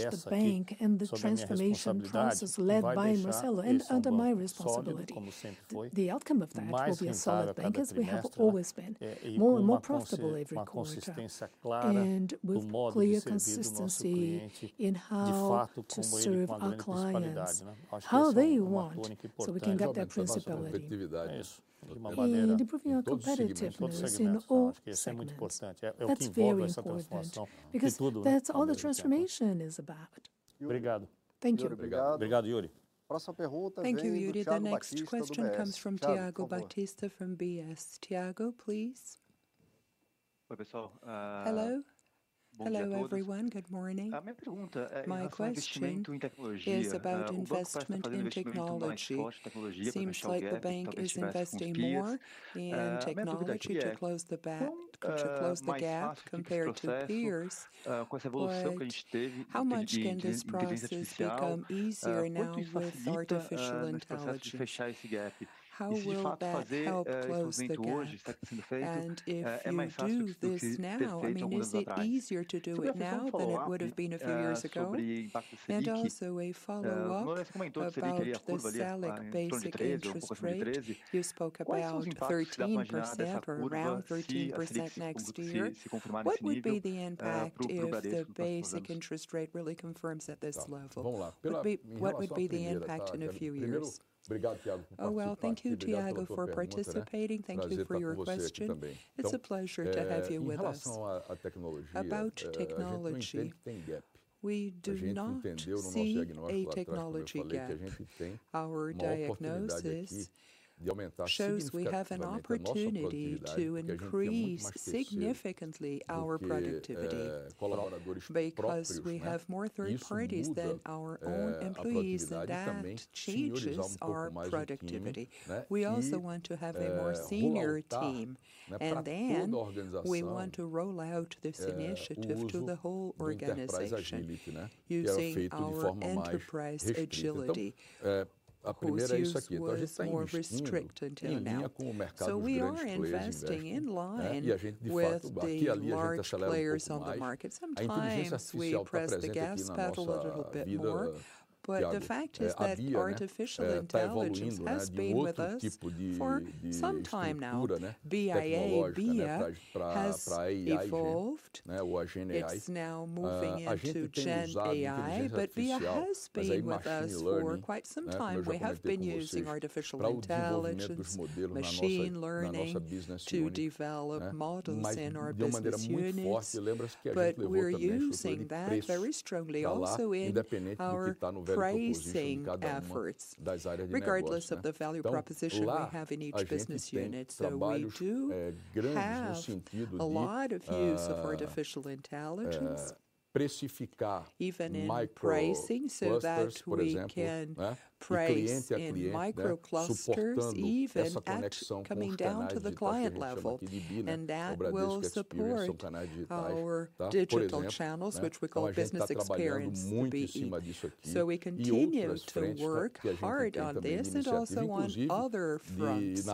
the bank and the transformation process led by Marcelo and under my responsibility. The outcome of that will be a solid bank as we have always been, more and more profitable every quarter, and with clear consistency in how to serve our clients, how they want, so we can get their loyalty. And improving our competitiveness in all segments. That's very important, because that's all the transformation is about. Thank you. Thank you, Iuri. The next question comes from Tiago Batista from UBS BB. Tiago, please. Oi, pessoal. Hello. Hello, everyone. Good morning. My question is about investment in technology. It seems like the bank is investing more in technology to close the gap compared to peers. How much can these processes become easier now with artificial intelligence? How will that help close the gap? And if you do this now, I mean, is it easier to do it now than it would have been a few years ago? And also a follow-up about the basic interest rate. You spoke about 13% or around 13% next year. What would be the impact if the basic interest rate really confirms at this level? What would be the impact in a few years? Oh, well, thank you, Tiago, for participating. Thank you for your question. It's a pleasure to have you with us. About technology, we do not see a technology gap. Our diagnosis shows we have an opportunity to increase significantly our productivity, because we have more third parties than our own employees, and that changes our productivity. We also want to have a more senior team, and then we want to roll out this initiative to the whole organization using our enterprise agility. We're more restricted now. So we are investing in line with the other players on the market. Sometimes we press the gas pedal a little bit more, but the fact is that artificial intelligence has been with us for some time now. BIA, BIA has evolved. It's now moving into GenAI, but BIA has been with us for quite some time. We have been using artificial intelligence, machine learning to develop models in our business units, but we're using that very strongly also in our pricing efforts, regardless of the value proposition we have in each business unit. So we do have a lot of use of artificial intelligence, even in pricing, so that we can price the micro clusters, even at coming down to the client level. And that will support our digital channels, which we call business experience. So we continue to work hard on this and also on other fronts.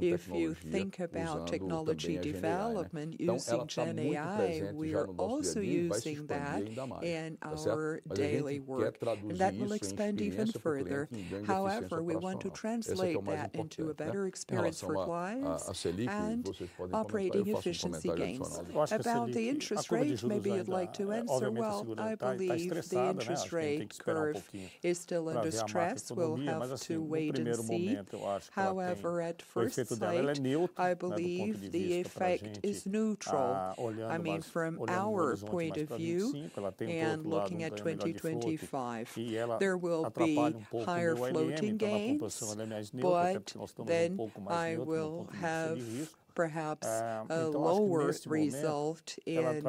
If you think about technology development using GenAI, we are also using that in our daily work, and that will expand even further. However, we want to translate that into a better experience for clients and operating efficiency gains. About the interest rate, maybe you'd like to answer. I believe the interest rate curve is still under stress. We'll have to wait and see. However, at first sight, I believe the effect is neutral. I mean, from our point of view and looking at 2025, there will be higher floating gains, but then I will have perhaps a lower result in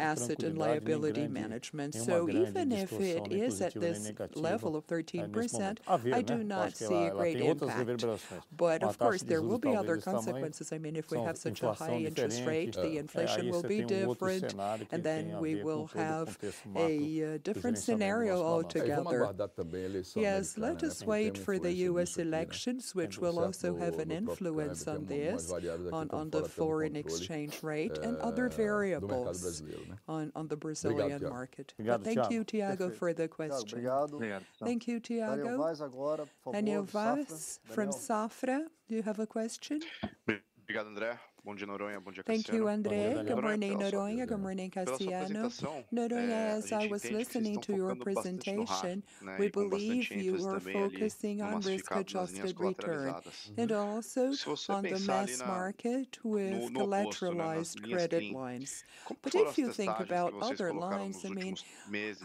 asset and liability management. So even if it is at this level of 13%, I do not see a great impact. But of course, there will be other consequences. I mean, if we have such a high interest rate, the inflation will be different, and then we will have a different scenario altogether. Yes, let us wait for the U.S. elections, which will also have an influence on this, on the foreign exchange rate and other variables on the Brazilian market. But thank you, Tiago, for the question. Thank you, Tiago. And Vaz from Safra, do you have a question? Thank you, André. Good morning, Noronha. Good morning, Cassiano. Noronha, as I was listening to your presentation, we believe you were focusing on risk-adjusted return and also on the mass market with collateralized credit lines. But if you think about other lines, I mean,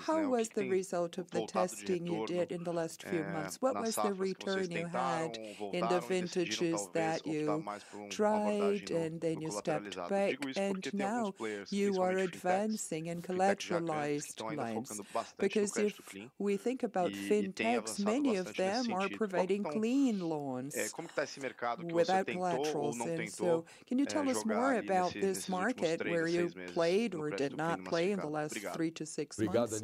how was the result of the testing you did in the last few months? What was the return you had in the vintages that you tried, and then you stepped back, and now you are advancing in collateralized lines? Because if we think about fintechs, many of them are providing clean loans without collaterals. And so can you tell us more about this market where you played or did not play in the last three to six months?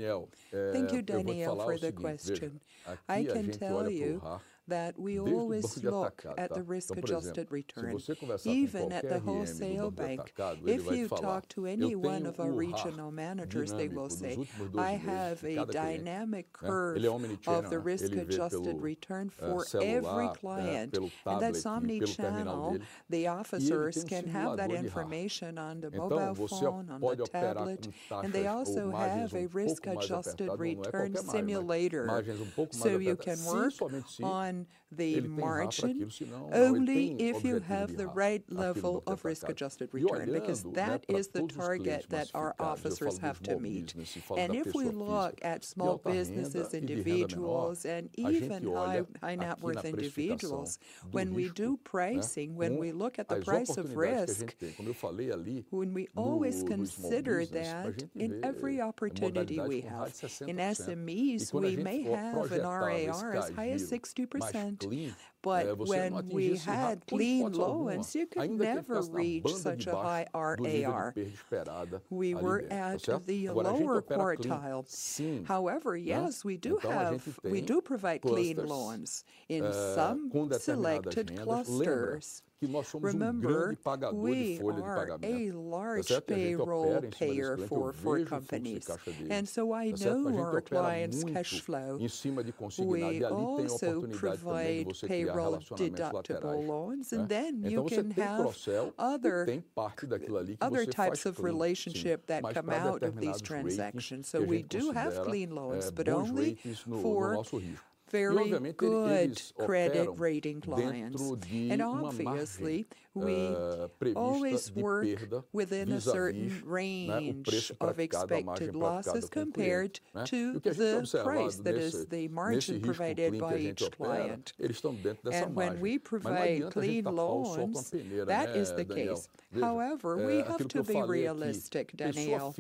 Thank you, Daniel, for the question. I can tell you that we always look at the risk-adjusted return, even at the wholesale bank. If you talk to any one of our regional managers, they will say, "I have a dynamic curve of the risk-adjusted return for every client," and that's omnichannel. The officers can have that information on the mobile phone, on the tablet, and they also have a risk-adjusted return simulator. So you can work on the margin only if you have the right level of risk-adjusted return, because that is the target that our officers have to meet, and if we look at small businesses, individuals, and even high net worth individuals, when we do pricing, when we look at the price of risk, we always consider that in every opportunity we have. In SMEs, we may have an RAR as high as 60%, but when we had clean loans, you could never reach such a high RAR. We were at the lower quartile. However, yes, we do provide clean loans in some selected clusters. Remember, we are a large payroll payer for four companies, and so I know our clients' cash flow. We also provide payroll deductible loans, and then you can have other types of relationships that come out of these transactions. So we do have clean loans, but only for very good credit-rating clients. And obviously, we always work within a certain range of expected losses compared to the price that is the margin provided by each client. And when we provide clean loans, that is the case. However, we have to be realistic, Daniel.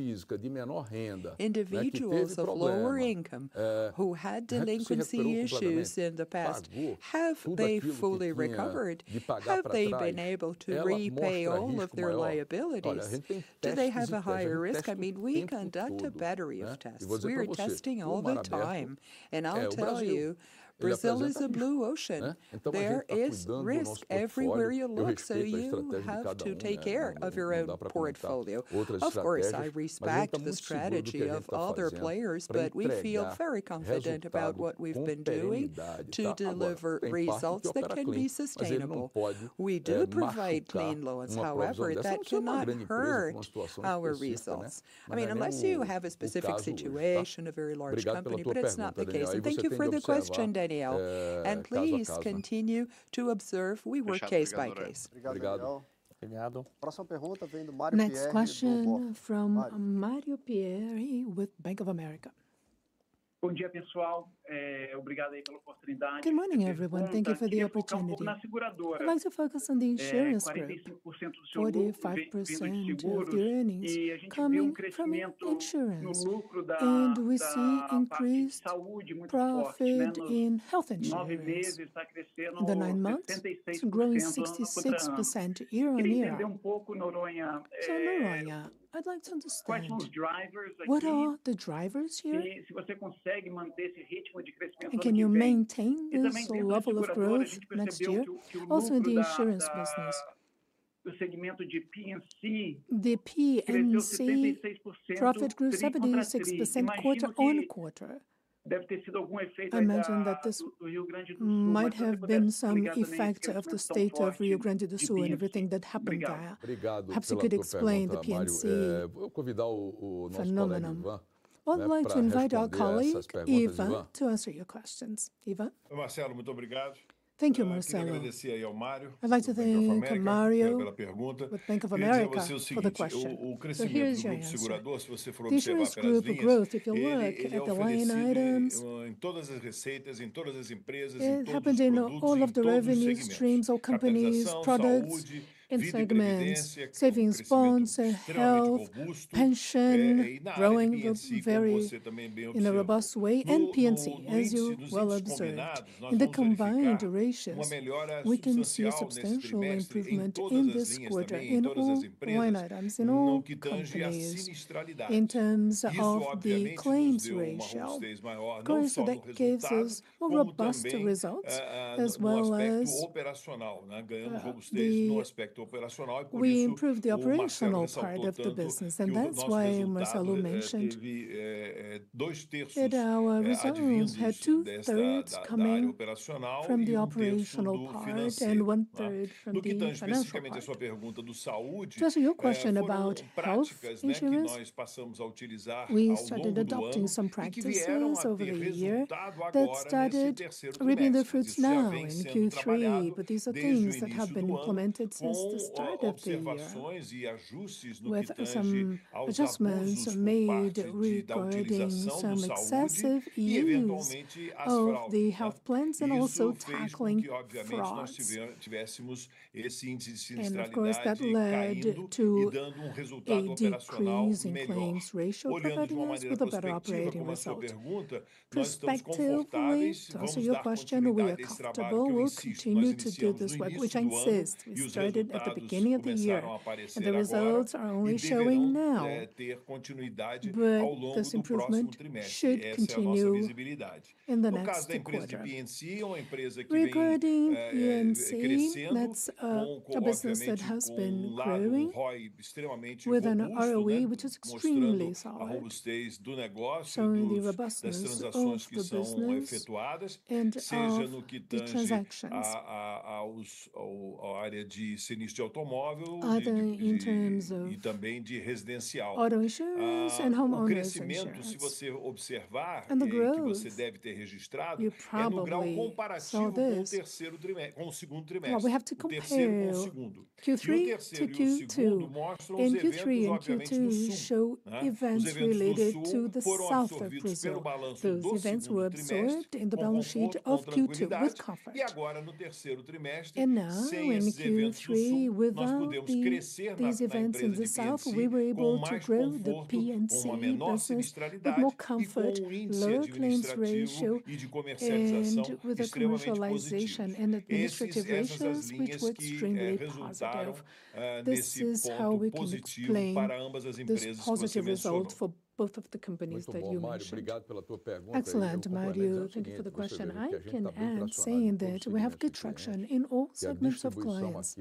Individuals of lower income who had delinquency issues in the past, have they fully recovered? Have they been able to repay all of their liabilities? Do they have a higher risk? I mean, we conduct a battery of tests. We are testing all the time. And I'll tell you, Brazil is a blue ocean. There is risk everywhere you look, so you have to take care of your own portfolio. Of course, I respect the strategy of other players, but we feel very confident about what we've been doing to deliver results that can be sustainable. We do provide clean loans. However, that cannot hurt our results. I mean, unless you have a specific situation, a very large company, but it's not the case. And thank you for the question, Daniel. And please continue to observe. We work case by case. Next question from Mario Pierry with Bank of America. Bom dia, pessoal. Obrigado aí pela oportunidade. Good morning, everyone. Thank you for the opportunity. But the focus on the insurance group. 45% of the earnings coming from insurance, and we see increased profit in health insurance. The nine months growing 66% year on year, so Noronha, I'd like to understand what are the drivers here? Can you maintain this level of growth next year? Also in the insurance business? The P&C profit grew 76% quarter on quarter. I imagine that this might have been some effect of the state of Rio Grande do Sul and everything that happened there. Perhaps you could explain the P&C phenomenon. I'd like to invite our colleague Ivan to answer your questions. Ivan? Thank you, Marcelo. I'd like to thank Mário for the question. The crescimento do segurador, if you look at the line items, in all of the revenue streams or companies, products, and segments, savings bonds, health, pension, growing very in a robust way, and P&C, as you well observed. In the combined ratios, we can see a substantial improvement in this quarter in all line items, in all companies, in terms of the claims ratio. Of course, that gives us more robust results, as well, as we improved the operational part of the business, and that's why Marcelo mentioned that our results had two-thirds coming from the operational part and one-third from the financial. To answer your question about health insurance, we started adopting some practices over the year that started reaping the fruits now in Q3. But these are things that have been implemented since the start of the year, with some adjustments made regarding some excessive use of the health plans and also tackling fraud. And of course, that led to a decrease in claims ratio, providing a better operating result. Prospectively, to answer your question, we are comfortable. We'll continue to do this work, which I insist we started at the beginning of the year, and the results are only showing now. But this improvement should continue in the next quarter. Regarding P&C, that's a business that has been growing with an ROE which is extremely solid, showing the robustness of the business, and the transactions in terms of growth. And the growth that you probably have to compare with the second quarter. So we have to compare Q3 to Q2. And Q3 and Q2 show events related to the South of Brazil. Those events were observed in the balance sheet of Q2 with comfort, and now, in Q3, with all of these events in the South, we were able to grow the P&C business with more comfort, lower claims ratio, and with a commercialization and administrative ratios which were extremely positive. This is how we can explain this positive result for both of the companies that you mentioned. Excellent, Mário. Thank you for the question. I can add, saying that we have good traction in all segments of clients,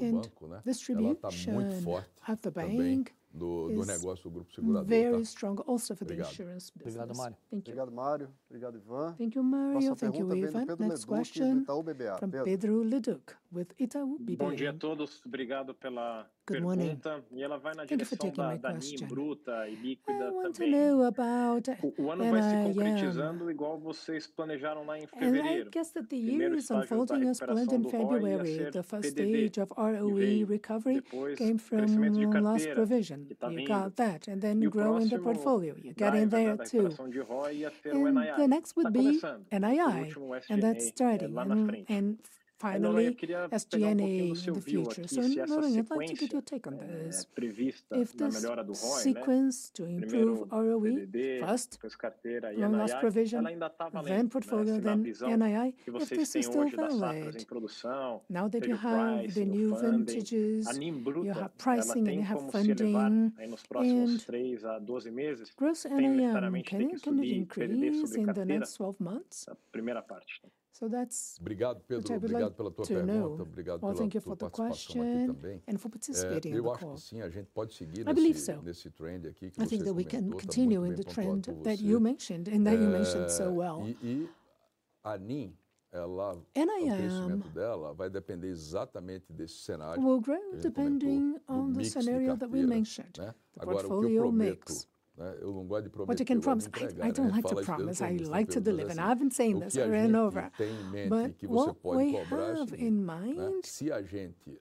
and distribution at the bank is very strong also for the insurance business. Thank you. Thank you, Mário. Thank you, Ivan. Thank you, Mário. Thank you, Ivan. Next question from Pedro Leduc with Itaú BBA. Bom dia a todos. Obrigado pela pergunta. E ela vai na diretiva, né? Da renda bruta e líquida também. O ano vai se concretizando igual vocês planejaram lá em fevereiro. The first of all, we are spending in February. The first stage of ROE recovery came from loss provision. We got that and then grow in the portfolio. You're getting there too. The next would be NII, and that's starting. And finally, SG&A in the future. So Noronha, I'd like to get your take on this. If this sequence to improve ROE first, loss provision, then portfolio, then NII, if this is still going right, now that you have the new vintages, you have pricing, and you have funding, and gross NII, I think can be increased in the next 12 months. Obrigado, Pedro. Obrigado pela tua pergunta. Obrigado pela tua resposta. Eu acho que sim, a gente pode seguir nesse trend aqui. I think that we can continue in the trend that you mentioned and that you mentioned so well. E a NII, ela vai depender exatamente desse cenário? Will grow depending on the scenario that we mentioned. The portfolio mix. But you can promise. I don't like to promise. I like to deliver. And I've been saying this for an hour. But you have in mind? Se a gente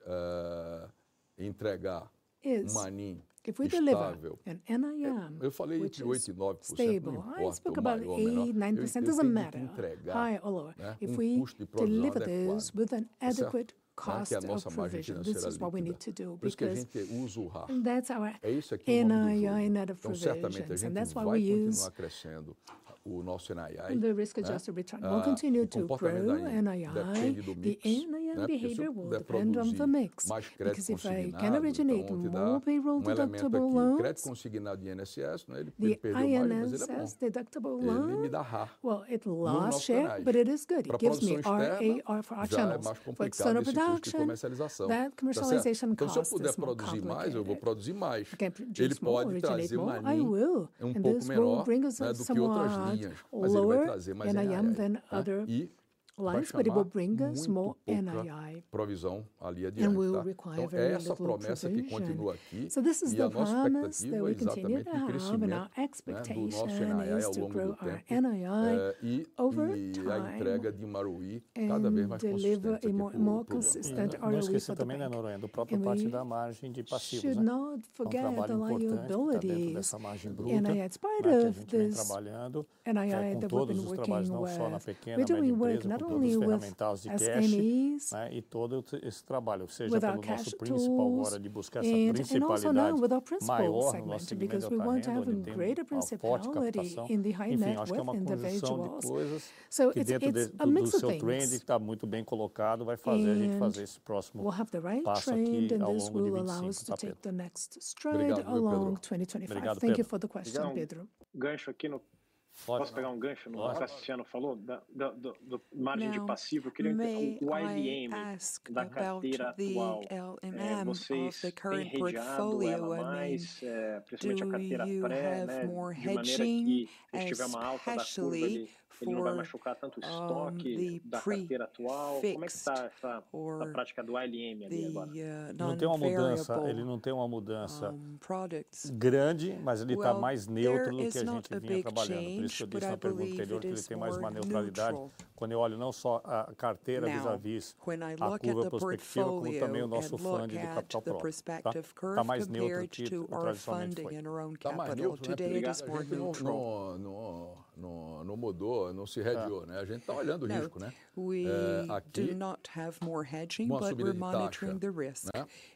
entregar uma NII, eu falei 8%, 8%, 9%. Let's talk about 8%, 9%. It doesn't matter. High or low. If we deliver this with an adequate cost provision, this is what we need to do. Because that's our NII net of provision. And that's why we use the risk-adjusted return. We'll continue to grow NII, the NII behavior will depend on the mix. Because if I can originate more payroll deductible loan, the INSS deductible loan, well, it lost share, but it is good. It gives me RAR for our channels. That's what I'm saying. That commercialization cost. Se eu puder produzir mais, eu vou produzir mais. Ele pode trazer mais. And this will bring us some more lower NII than other lines, but it will bring us more NII. Então essa promessa que continua aqui, a nossa expectativa é exatamente a crescimento do nosso NII ao longo do tempo e a entrega de ROE cada vez mais consistente. Eu acho que isso também é a própria parte da margem de passivo. Not forget the liability NII, it's part of this NII and the work that we're doing with SMEs e todo esse trabalho. Ou seja, a nossa principal alavanca de buscar essa rentabilidade maior vai ser com o nosso NII, porque a gente vai ter grande potencial de crescimento de negócios. So it's a mix of things. Esse trend que está muito bem colocado vai fazer a gente fazer esse próximo passo aqui, and this will allow us to take the next stride in 2025. Thank you for the question, Pedro. Gancho aqui. Posso pegar gancho no que o Marcelo falou? Da margem de passivo, eu queria entender o ALM da carteira atual. Vocês têm portfólio mais, principalmente a carteira PF, né? De maneira que se tiver uma alta daqui, ele não vai machucar tanto o estoque da carteira atual. Como é que está essa prática do ALM ali agora? Não tem uma mudança. Ele não tem uma mudança grande, mas ele está mais neutro do que a gente vinha trabalhando. Por isso que eu disse na pergunta anterior que ele tem mais uma neutralidade. Quando eu olho não só a carteira vis-à-vis a curva prospectiva, como também o nosso fundo de capital próprio. Está mais neutro do que o que tradicionalmente foi. Está mais neutro do que a gente esperava. Não mudou, não se reduziu, né? A gente está olhando o risco, né? We do not have more hedging, but we're monitoring the risk.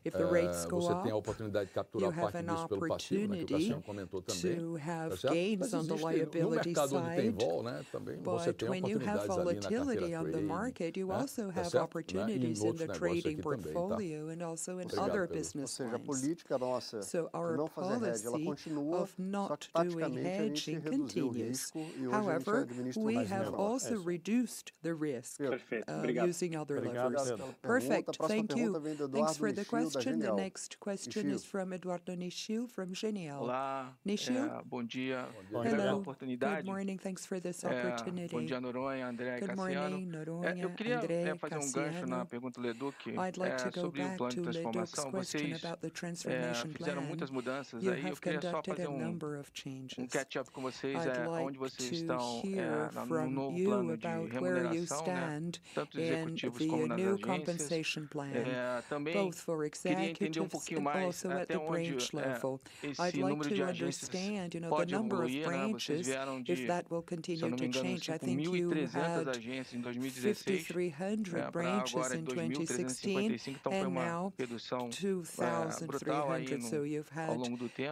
Você tem a oportunidade de capturar patrimônio pelo patrimônio, que o Marcelo comentou também. You have gains on the liabilities side. No mercado onde tem vol, né? Também você tem oportunidades. And you have volatility on the market, you also have opportunities in the trading portfolio and also in other businesses. So our policy of not doing hedging continues. However, we have also reduced the risk using other levers. Perfect, thank you. Thanks for the question. The next question is from Eduardo Nishio from Genial. Nichio? Bom dia. Hello. Good morning. Thanks for this opportunity. Bom dia, Noronha. André, cá está o André. Eu queria fazer gancho na pergunta do Leduc sobre o plano de transformação que vocês têm na parte de transformação. Vocês fizeram muitas mudanças aí. I've kept up with a number of changes. Catch-up com vocês é onde vocês estão no novo plano de recompensação de executivos como na Danilo. New compensation plan. Queria entender pouquinho mais sobre o branch level. I'd like to understand, you know, the number of branches if that will continue to change. I think you had 5,300 branches in 2016 and now 2,300. So you've had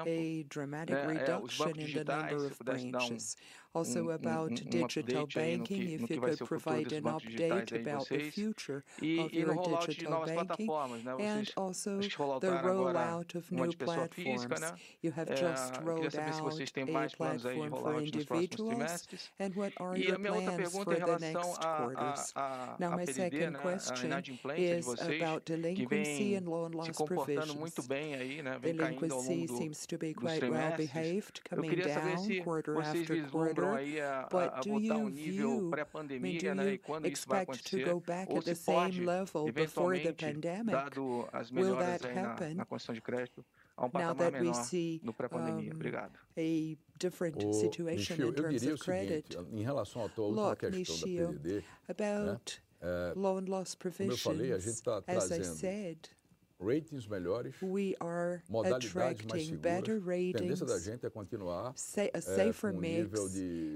a dramatic reduction in the number of branches. Also about digital banking, if you could provide an update about the future of your digital banking and also the rollout of new platforms. You have just rolled out a platform for individuals, and what are your plans for the next quarters? Now, my second question is about delinquency and loan loss provisions. Delinquency seems to be quite well behaved, coming down quarter after quarter, but do you view, I mean, do you expect to go back at the same level before the pandemic? Will that happen? Agora, com a concentração agora? Now that we see na própria pandemia, obrigado. A different situation in terms of credit. Em relação ao total, Nichio, about loan loss provisions, as I said, ratings, melhores, we are attracting better ratings. A tendência da gente é continuar a safe for me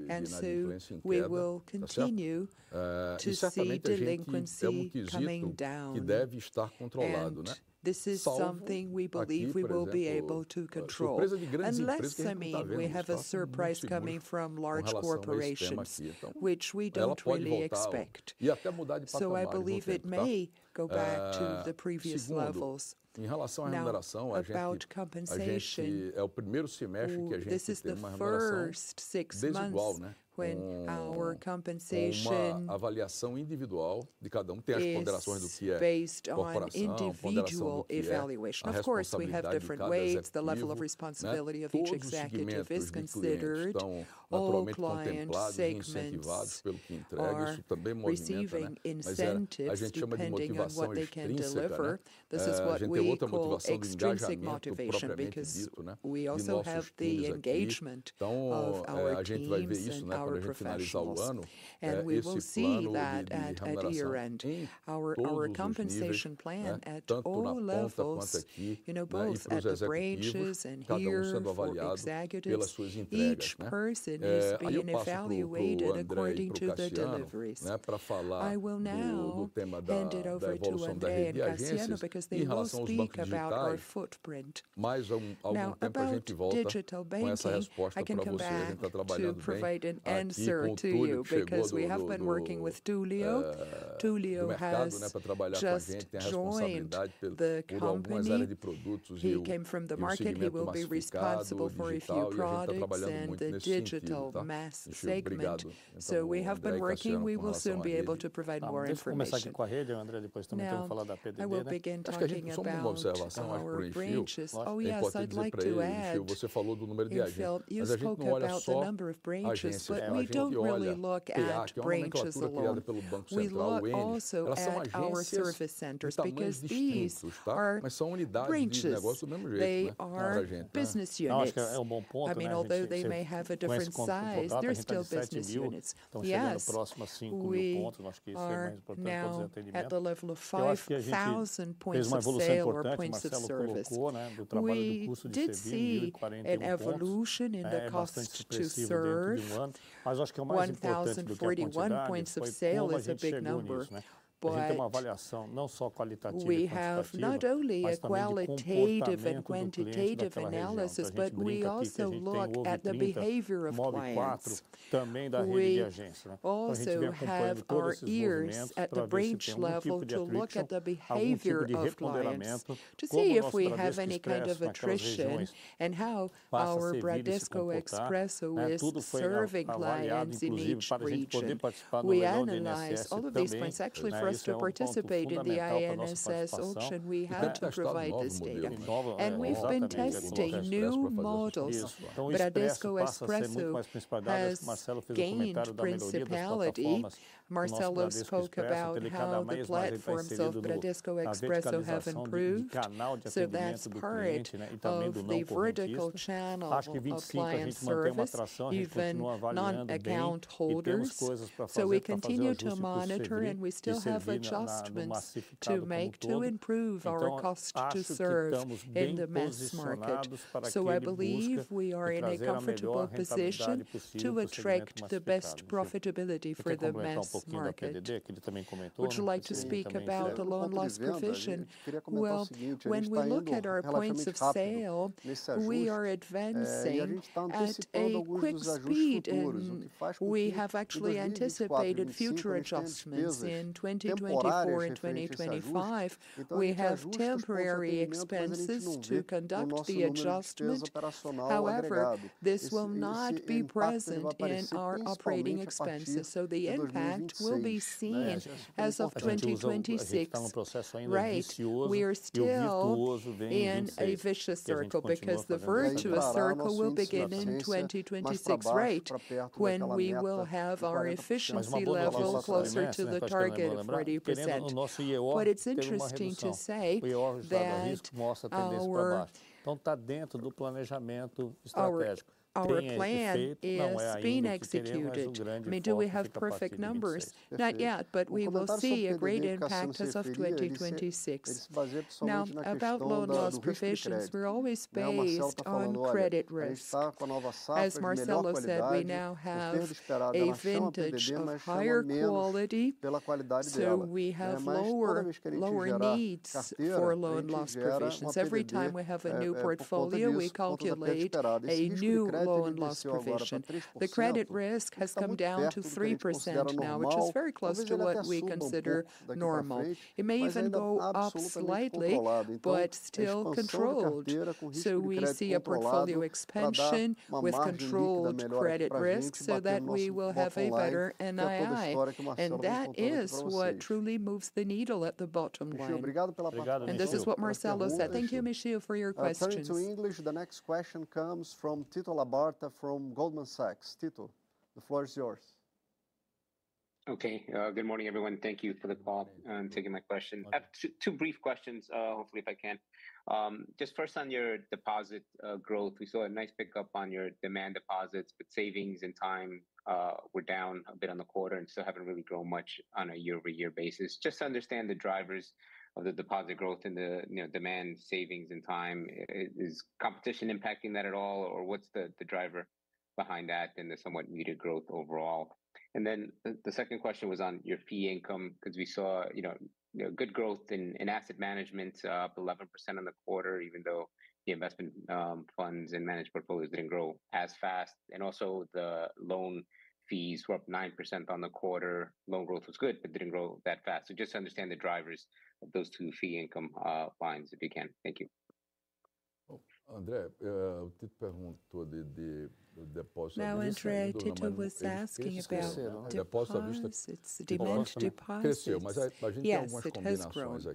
and so we will continue to see delinquency coming down. Que deve estar controlado, né? This is something we believe we will be able to control. Unless, I mean, we have a surprise coming from large corporations, which we don't really expect. E até mudar de patrão, so I believe it may go back to the previous levels. Em relação à remuneração, a gente vê que é o primeiro semestre que a gente vê. This is the first six months when our compensation. Tem uma avaliação individual de cada, tem as ponderações do que é corporação. Of course, we have different ways. It's the level of responsibility of each executive is considered. Então, naturalmente contemplados e incentivados pelo que entrega. Isso também mora em uma motivação. A gente chama de motivação do que a gente entrega. This is what we see in the executive motivation because we also have the engagement of our team. Então, a gente vai ver isso quando a gente finalizar o ano, and we will see that at year-end. Our compensation plan at all levels, you know, both at the branches and hands of executives, each person is being evaluated according to the deliveries. I will now hand it over to André and Marcelo because they will speak about our footprint. Mas aumentar a gente volta com as respostas que a gente está trabalhando para vocês. I can't provide an answer to you because we have been working with Túlio. Túlio has just joined the company. Ele came from the market. He will be responsible for a few products and the digital mass segment. So we have been working. We will soon be able to provide more information. Eu acho que com o André depois também temos que falar da PAB. I will begin talking about the branches. Oh, yes, I'd like to add. Você falou do número de agentes. is focused on the number of branches, but we don't really look at branches alone. We look also at our service centers because these are branches. Mas são unidades de negócio do mesmo jeito. They are business units. I mean, although they may have a different size, they're still business units. E acho que é mais importante. At the level of 5,000 points of service. Temos uma evolução importante. We did see an evolution in the cost to serve. Mas acho que é mais importante. 1,041 points of sale is a big number. Mas a gente tem uma avaliação não só qualitativa. We have not only a qualitative and quantitative analysis, but we also look at the behavior of clients. Também da rede de agências. We also have our ears at the branch level to look at the behavior of clients, to see if we have any kind of attrition and how our Bradesco Expresso is serving clients in each region. We analyze all of these points. Actually, for us to participate in the INSS auction, we had to provide this data. And we've been testing new models. Bradesco Expresso has gained priority. Marcelo spoke about how the platforms of Bradesco Expresso have improved. So that's part of the vertical channel of client service, even non-account holders. So we continue to monitor, and we still have adjustments to make to improve our cost to serve in the mass market. So I believe we are in a comfortable position to attract the best profitability for the mass market. Eu também. Would you like to speak about the loan loss provision? When we look at our points of sale, we are advancing at a quick speed, and we have actually anticipated future adjustments in 2024 and 2025. We have temporary expenses to conduct the adjustment. However, this will not be present in our operating expenses. The impact will be seen as of 2026. Right? We are still in a vicious circle because the virtuous circle will begin in 2026, right, when we will have our efficiency level closer to the target of 40%. But it's interesting to say that. Então está dentro do planejamento estratégico. Our plan is being executed. I mean, do we have perfect numbers? Not yet, but we will see a great impact as of 2026. Now, about loan loss provisions, we're always based on credit risk. As Marcelo said, we now have a vintage of higher quality, so we have lower needs for loan loss provisions. Every time we have a new portfolio, we calculate a new loan loss provision. The credit risk has come down to 3% now, which is very close to what we consider normal. It may even go up slightly, but still controlled. So we see a portfolio expansion with controlled credit risk so that we will have a better NII. And that is what truly moves the needle at the bottom line. And this is what Marcelo said. Thank you, Nichio, for your questions. The next question comes from Tito Labarta from Goldman Sachs. Tito, the floor is yours. Okay. Good morning, everyone. Thank you for the call and taking my question. I have two brief questions, hopefully, if I can. Just first, on your deposit growth, we saw a nice pickup on your demand deposits, but savings and time were down a bit on the quarter and still haven't really grown much on a year-over-year basis. Just to understand the drivers of the deposit growth in the demand savings and time, is competition impacting that at all, or what's the driver behind that and the somewhat muted growth overall? And then the second question was on your fee income because we saw, you know, good growth in asset management, up 11% on the quarter, even though the investment funds and managed portfolios didn't grow as fast. And also the loan fees were up 9% on the quarter. Loan growth was good, but didn't grow that fast. So just to understand the drivers of those two fee income lines, if you can. Thank you. André, o que você perguntou de depósito à vista? That was right. Tito was asking about the demand deposits. Cresceu, mas a gente tem algumas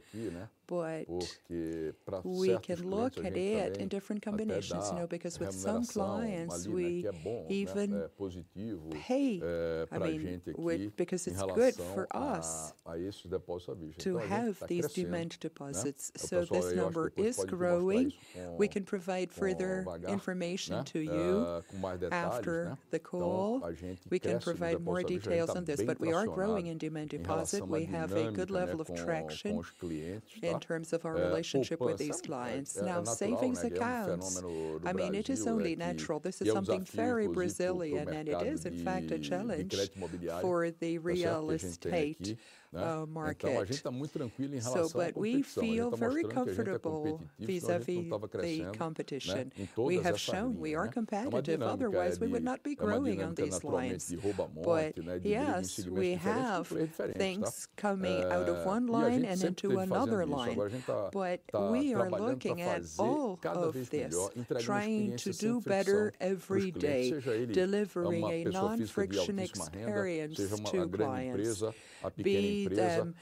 combinações aqui, né? Porque para ser. We can look at it in different combinations, you know, because with some clients we even é bom para a gente aqui because it's good for us to have these demand deposits. So this number is growing. We can provide further information to you after the call. We can provide more details on this, but we are growing in demand deposit. We have a good level of traction in terms of our relationship with these clients. Now, savings accounts, I mean, it is only natural. This is something very Brazilian, and it is, in fact, a challenge for the real estate market. So, but we feel very comfortable vis-à-vis the competition. We have shown we are competitive. Otherwise, we would not be growing on these lines. But yes, we have things coming out of one line and into another line. But we are looking at all of this, trying to do better every day, delivering a frictionless experience to clients, be them micro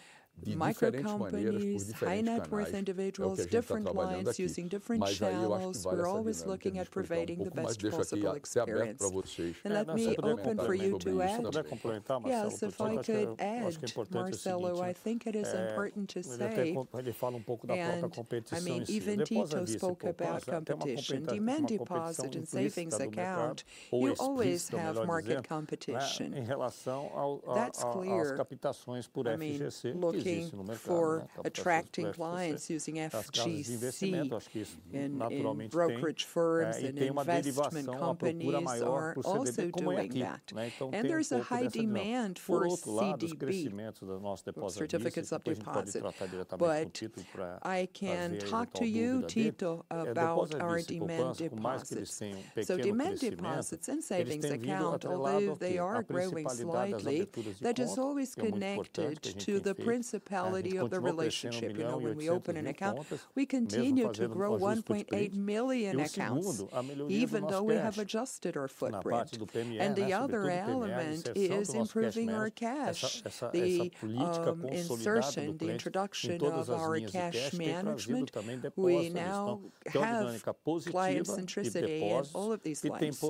companies, high net worth individuals, different lines using different channels. We're always looking at providing the best possible experience. And let me open for you to add. Yes, if I could add, Marcelo, I think it is important to say that. I mean, even Tito spoke about competition, demand deposit and savings account. You always have market competition. That's clear. I mean, looking for attracting clients using FGC and brokerage firms and investment companies are also doing that. And there's a high demand for CDB, certificates of deposit. But I can talk to you, Tito, about our demand deposits. Demand deposits and savings account, although they are growing slightly, that is always connected to the principal of the relationship. You know, when we open an account, we continue to grow 1.8 million accounts, even though we have adjusted our footprint. The other element is improving our cash, the insertion, the introduction of our cash management. We now have client centricity in all of these lines.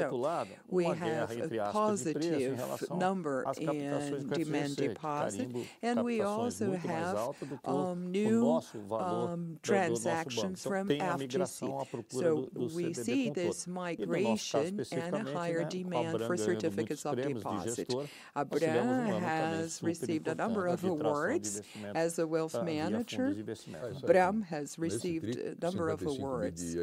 We have a positive number in demand deposit, and we also have new transactions from FGC. We see this migration and a higher demand for certificates of deposit. Ágora has received a number of awards as a wealth manager. Ágora has received a number of awards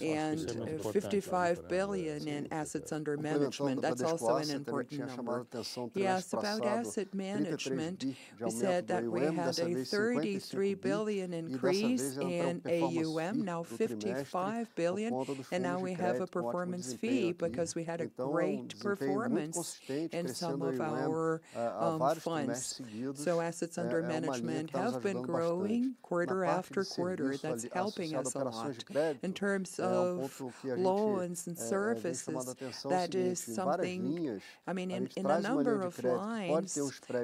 and 55 billion in assets under management. That's also an important number. Yes, about asset management, we said that we had a 33 billion increase in AUM, now 55 billion, and now we have a performance fee because we had a great performance in some of our funds. So assets under management have been growing quarter after quarter. That's helping us a lot. In terms of loans and services, that is something, I mean, in a number of lines,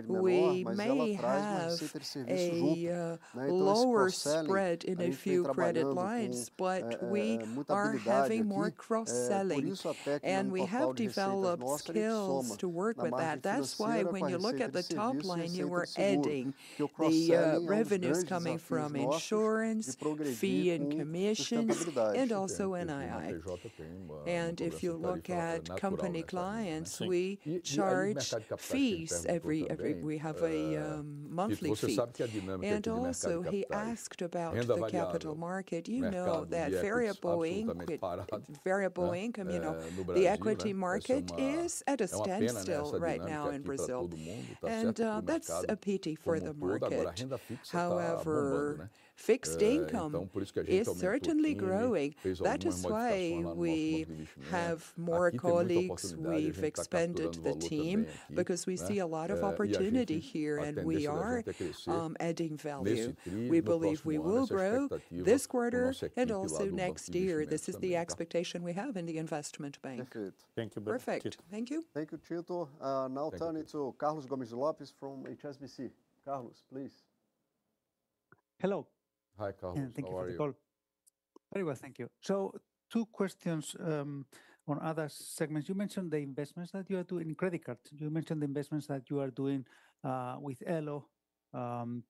we may have a lower spread in a few credit lines, but we are having more cross-selling, and we have developed skills to work with that. That's why when you look at the top line, you are adding the revenues coming from insurance, fee and commissions, and also NII. And if you look at company clients, we charge fees every. We have a monthly fee. And also he asked about the capital market. You know that variable income, you know, the equity market is at a standstill right now in Brazil. And that's a pity for the market. However, fixed income is certainly growing. That is why we have more colleagues. We've expanded the team because we see a lot of opportunity here, and we are adding value. We believe we will grow this quarter and also next year. This is the expectation we have in the investment bank. Thank you. Perfect. Thank you. Thank you, Tito. Now turn it to Carlos Gomes-Lopez from HSBC. Carlos, please. Hello. Hi, Carlos. Thank you for the call. Very well, thank you. So two questions, on other segments. You mentioned the investments that you are doing in credit cards. You mentioned the investments that you are doing, with Elo, and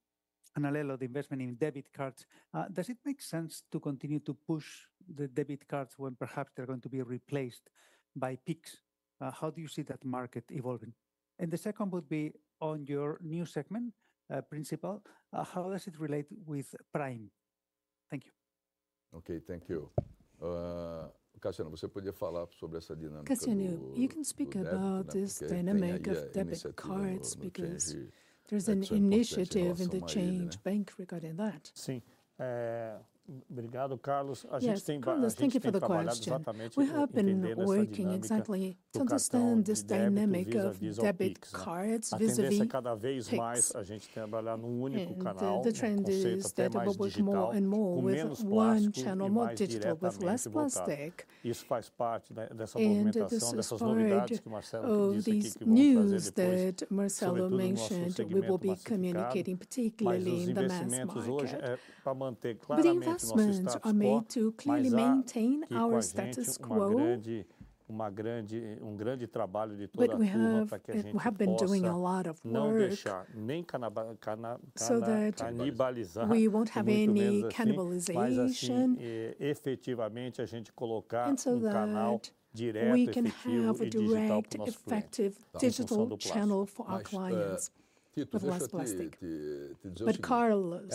Alelo, the investment in debit cards. Does it make sense to continue to push the debit cards when perhaps they're going to be replaced by Pix? How do you see that market evolving? And the second would be on your new segment, Principal, how does it relate with Prime? Thank you. Okay, thank you. Você podia falar sobre essa dinâmica. You can speak about this dynamic of debit cards because there's an initiative in the central bank regarding that. Sim, obrigado, Carlos. A gente tem várias questões exatamente que estão trabalhando exatamente. We have been working exactly to understand this dynamic of debit cards vis-à-vis. Cada vez mais a gente trabalhar num único canal. The trend is that we will work more and more with one channel, more digital, with less plastic. Isso faz parte dessa movimentação de CBDC. And this is part of these news that Marcelo mentioned we will be communicating particularly in the mass market. But investments are made to clearly maintain our status quo. But we have been doing a lot of work so that we won't have any cannibalization. E efetivamente a gente colocar canal direto. We can have a direct, effective digital channel for our clients. With less plastic. But Carlos,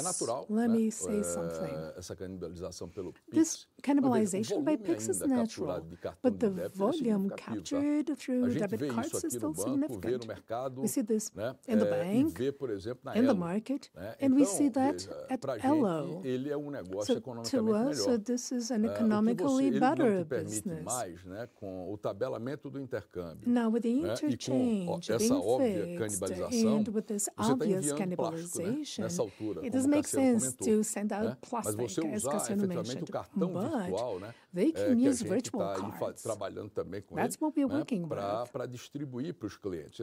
let me say something. This cannibalization by Pix is natural. But the volume captured through debit cards is still significant. We see this in the bank, in the market, and we see that at Elo. Ele é negócio econômico de valor. So this is an economically better business. Com o tabelamento do intercâmbio. Now with the interchange, with this obvious cannibalization, it does make sense to send out plastics and cash management to cards. Vai trabalhando também com isso para distribuir para os clientes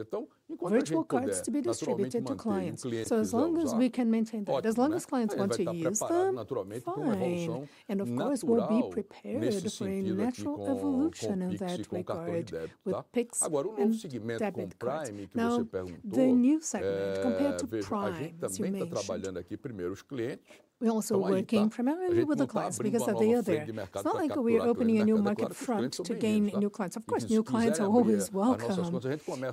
and virtual cards to be distributed to clients. So as long as we can maintain that, as long as clients want to use them, fine, and of course we'll be prepared for a natural evolution of that regard with Pix and debit cards. Now the new segment compared to prior to. A gente está trabalhando aqui primeiro os clientes. We're also working primarily with the clients because they are there. It's not like we're opening a new market front to gain new clients. Of course, new clients are always welcome.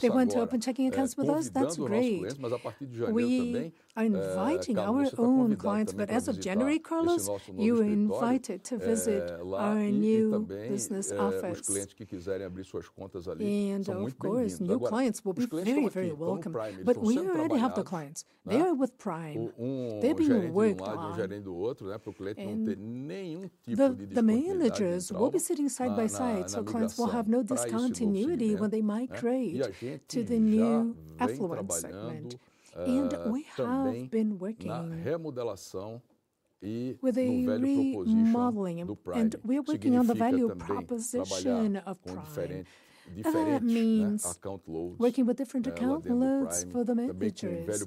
They want to open checking accounts with us. That's great. We are inviting our own clients. But as of January, Carlos, you were invited to visit our new business office, and of course, new clients will be very, very welcome. But we already have the clients. They are with Prime. They're being worked on. The managers will be sitting side by side. So clients will have no discontinuity when they migrate to the new affluent segment. And we have been working with a value proposition. And we are working on the value proposition of prime. And that means working with different account loads for the managers.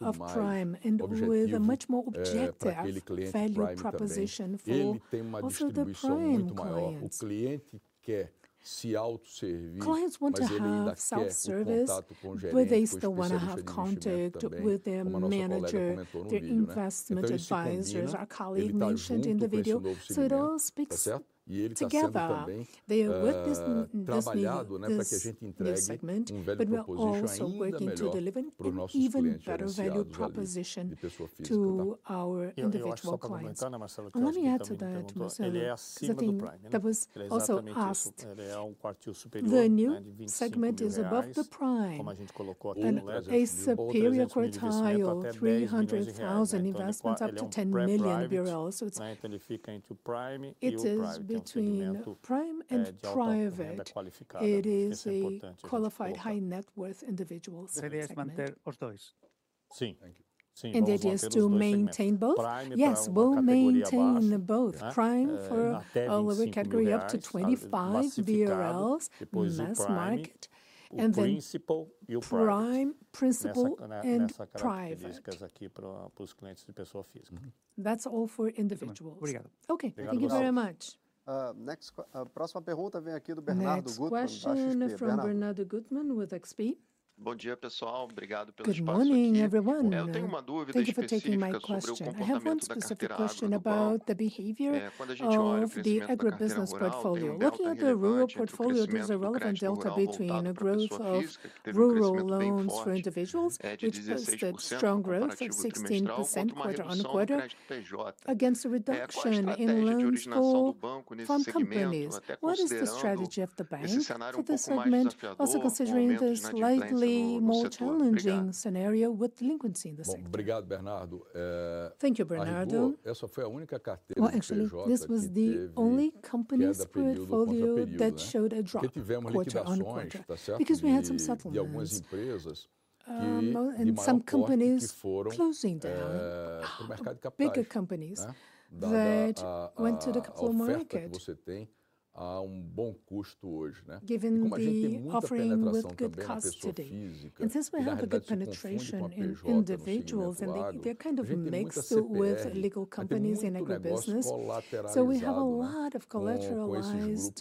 Of prime. And with a much more objective value proposition for also the prime clients. Clients want to have self-service where they still want to have contact with their manager, their investment advisors, our colleague mentioned in the video. So it all speaks together. They are with this new segment, but we're also working to deliver an even better value proposition to our individual clients. And let me add to that, Marcelo, something that was also asked. The new segment is above the prime and a superior quartile, 300,000 investments up to 10 million BRL. So it's between prime and private. It is a qualified high net worth individual segment. And the idea is to maintain both? Yes, we'll maintain both prime for all of our category up to 25 BRLs in mass market. And then prime, principal, and private. That's all for individuals. Okay, thank you very much. A próxima pergunta vem aqui do Bernardo Gutman. Question from Bernardo Gutman with XP. Bom dia, pessoal. Obrigado pelo espaço. Good morning, everyone. Thank you for taking my question. I have one specific question about the behavior of the agribusiness portfolio. Looking at the rural portfolio, there is a relevant delta between the growth of rural loans for individuals, which posted strong growth of 16% quarter on quarter, against a reduction in loans for farm companies. What is the strategy of the bank for this segment? Also considering the slightly more challenging scenario with delinquency in the sector. Thank you, Bernardo. Well, actually, this was the only company's portfolio that showed a drop quarter on quarter because we had some settlements. And some companies closing down, bigger companies that went to the capital market. Given the offering with good cost today. And since we have a good penetration in individuals, and they're kind of mixed with legal companies in agribusiness, so we have a lot of collateralized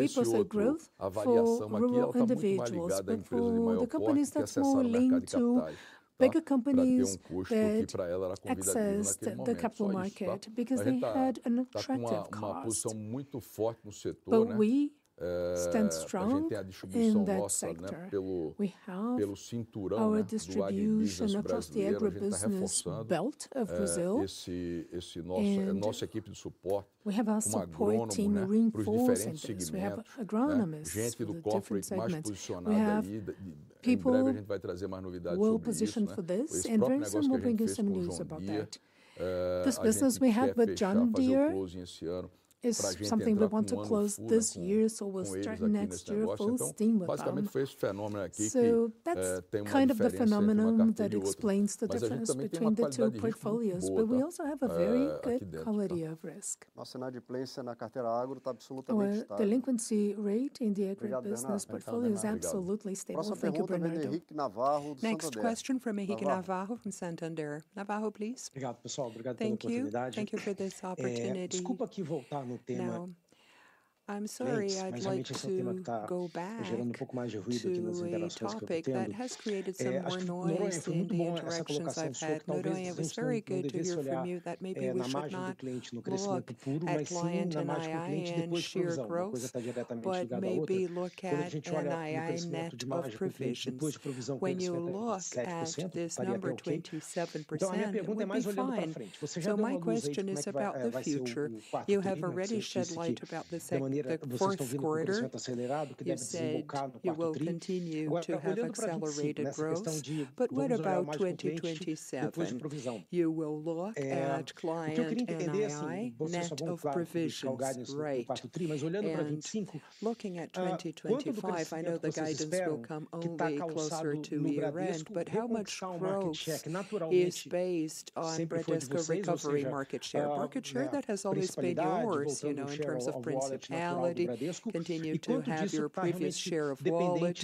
people's growth for rural individuals. But for the companies, that's more linked to bigger companies that access the capital market because they had an attractive cost. But we stand strong in that sector. We have our distribution across the agribusiness belt of Brazil. We have our support team in rural segments. We have agronomists. We have people. We'll position for this. And there is some moving news about that. This business we had with John Deere is something we want to close this year. So we'll start next year full steam with them. So that's kind of the phenomenon that explains the difference between the two portfolios. But we also have a very good quality of risk. Delinquency rate in the agribusiness portfolio is absolutely stable. Thank you for me. Next question from Henrique Navarro from Santander. Navarro, please. Obrigado, pessoal. Obrigado pela oportunidade. Thank you for this opportunity. Desculpa aqui voltar no tema. I'm sorry, I'd like to go back. Gerando pouco mais de ruído aqui nas interações que eu tenho. That has created some more noise. Nesse momento, essa colocação foi muito boa. It was very good to hear from you that maybe we should not. O crescimento puro vai ser muito mais corrente depois que o growth diretamente ligado ao cash. But maybe look at this net of deposit provisions. When you look at this number, 27%, it would be fine. So my question is about the future. You have already shed light about the segment the fourth quarter. You say you will continue to have accelerated growth. But what about 2027? You will look at client and the high net of provisions rate. Looking at 2025, I know the guidance will come a little bit closer to year-end. But how much growth is based on the risk or recovery market share? Market share that has always been yours, you know, in terms of Principal. Continue to have your previous share of holding.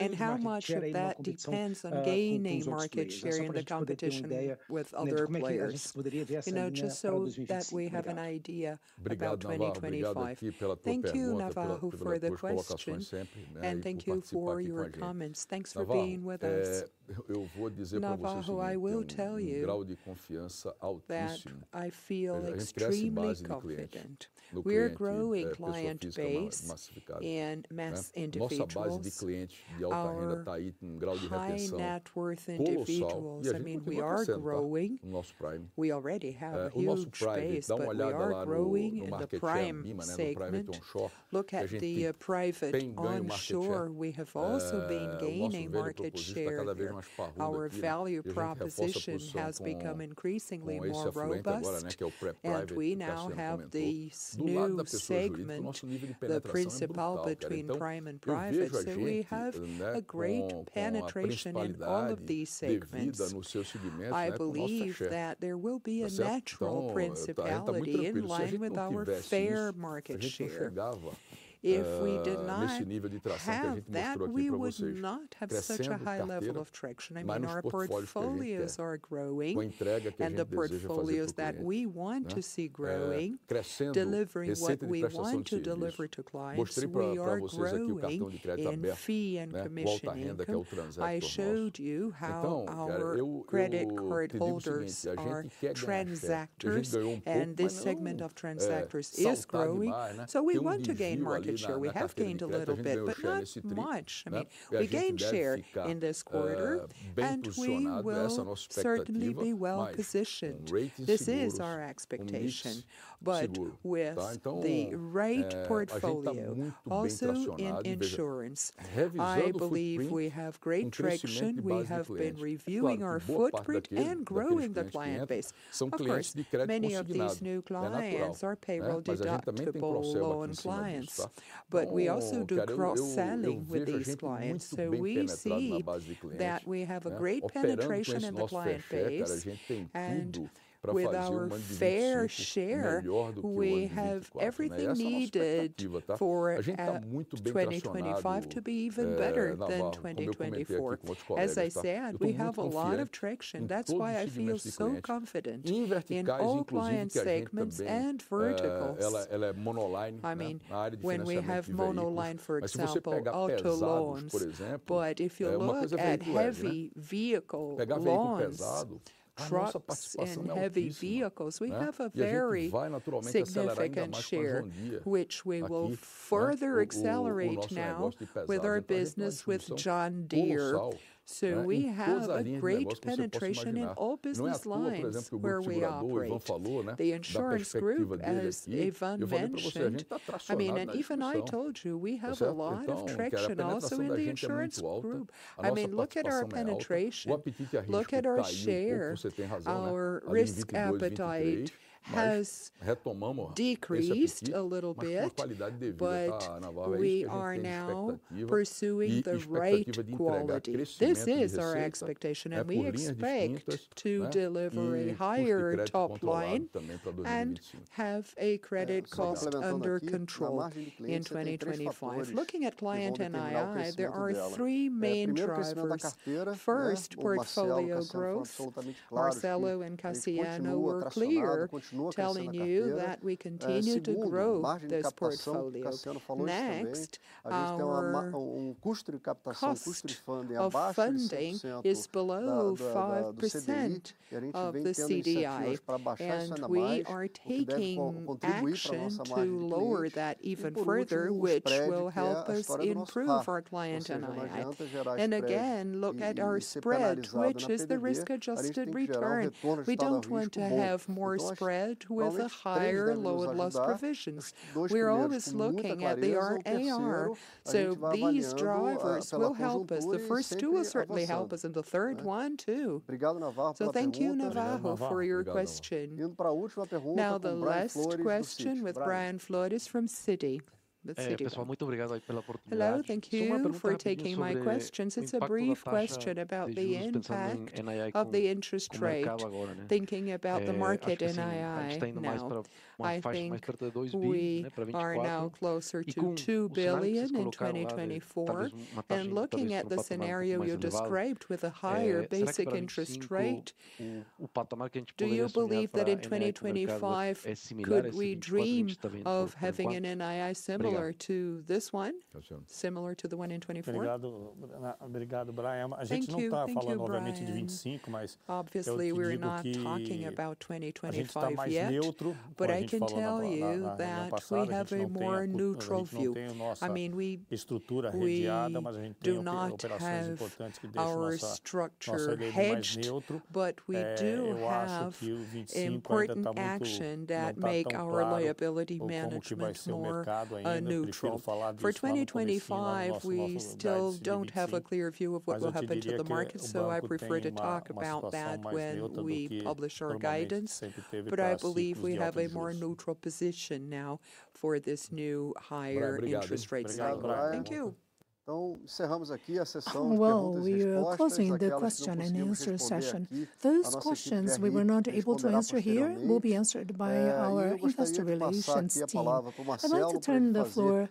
And how much of that depends on gaining market share in the competition with other players? You know, just so that we have an idea about 2025. Thank you, Navarro, for the question, and thank you for your comments. Thanks for being with us. Eu vou dizer, Navarro. I will tell you that I feel extremely confident. We are growing client base and mass individuals, high net worth individuals. I mean, we are growing. We already have a huge base that is growing in the prime segment. Look at the private market share. We have also been gaining market share. Our value proposition has become increasingly more robust, and we now have the new segment, the principal between prime and private, so we have a great penetration in all of these segments. I believe that there will be a natural principality in line with our fair market share. If we did not have that, we would not have such a high level of traction. I mean, our portfolios are growing, and the portfolios that we want to see growing, delivering what we want to deliver to clients. I'm going to gain a degree of fee and commission. I showed you how our credit card holders are transactors, and this segment of transactors is growing. So we want to gain market share. We have gained a little bit, but not much. I mean, we gained share in this quarter, and we will certainly be well positioned. This is our expectation, but with the right portfolio, also in insurance, I believe we have great traction. We have been reviewing our footprint and growing the client base. Of course, many of these new clients are payroll deductible loan clients, but we also do cross-selling with these clients, so we see that we have a great penetration in the client base. And with our fair share, we have everything needed for 2025 to be even better than 2024. As I said, we have a lot of traction. That's why I feel so confident in all client segments and verticals. I mean, when we have monoline, for example, auto loans. But if you look at heavy vehicle loans, trucks and heavy vehicles, we have a very significant share, which we will further accelerate now with our business with John Deere. So we have a great penetration in all business lines where we operate. The insurance group, as Yvonne mentioned, I mean, and even I told you, we have a lot of traction also in the insurance group. I mean, look at our penetration. Look at our share. Our risk appetite has decreased a little bit. But we are now pursuing the right quality. This is our expectation. We expect to deliver a higher top line and have a credit cost under control in 2025. Looking at client NII, there are three main drivers. First, portfolio growth. Marcelo and Cassiano were clear telling you that we continue to grow this portfolio. Next, our cost of funding is below 5% of the CDI. We are taking action to lower that even further, which will help us improve our client NII. Again, look at our spread, which is the risk-adjusted return. We don't want to have more spread with the higher lower loss provisions. We're always looking at the RAR. These drivers will help us. The first two will certainly help us. And the third one too. Thank you, Navarro, for your question. Now, the last question with Brian Flood is from Citi. Hello. Thank you for taking my questions. It's a brief question about the impact of the interest rate. Thinking about the market NII, I think we are now closer to 2 billion in 2024. And looking at the scenario you described with a higher basic interest rate, do you believe that in 2025, could we dream of having an NII similar to this one, similar to the one in 2024? Obviously, we're not talking about 2025 yet. But I can tell you that we have a more neutral view. I mean, we do not have our structure hedged, but we do have important action that makes our liability management more neutral. For 2025, we still don't have a clear view of what will happen to the market. So I prefer to talk about that when we publish our guidance. But I believe we have a more neutral position now for this new higher interest rate cycle. Thank you. We are closing the question and answer session. Those questions we were not able to answer here will be answered by our investor relations team. I'd like to turn the floor.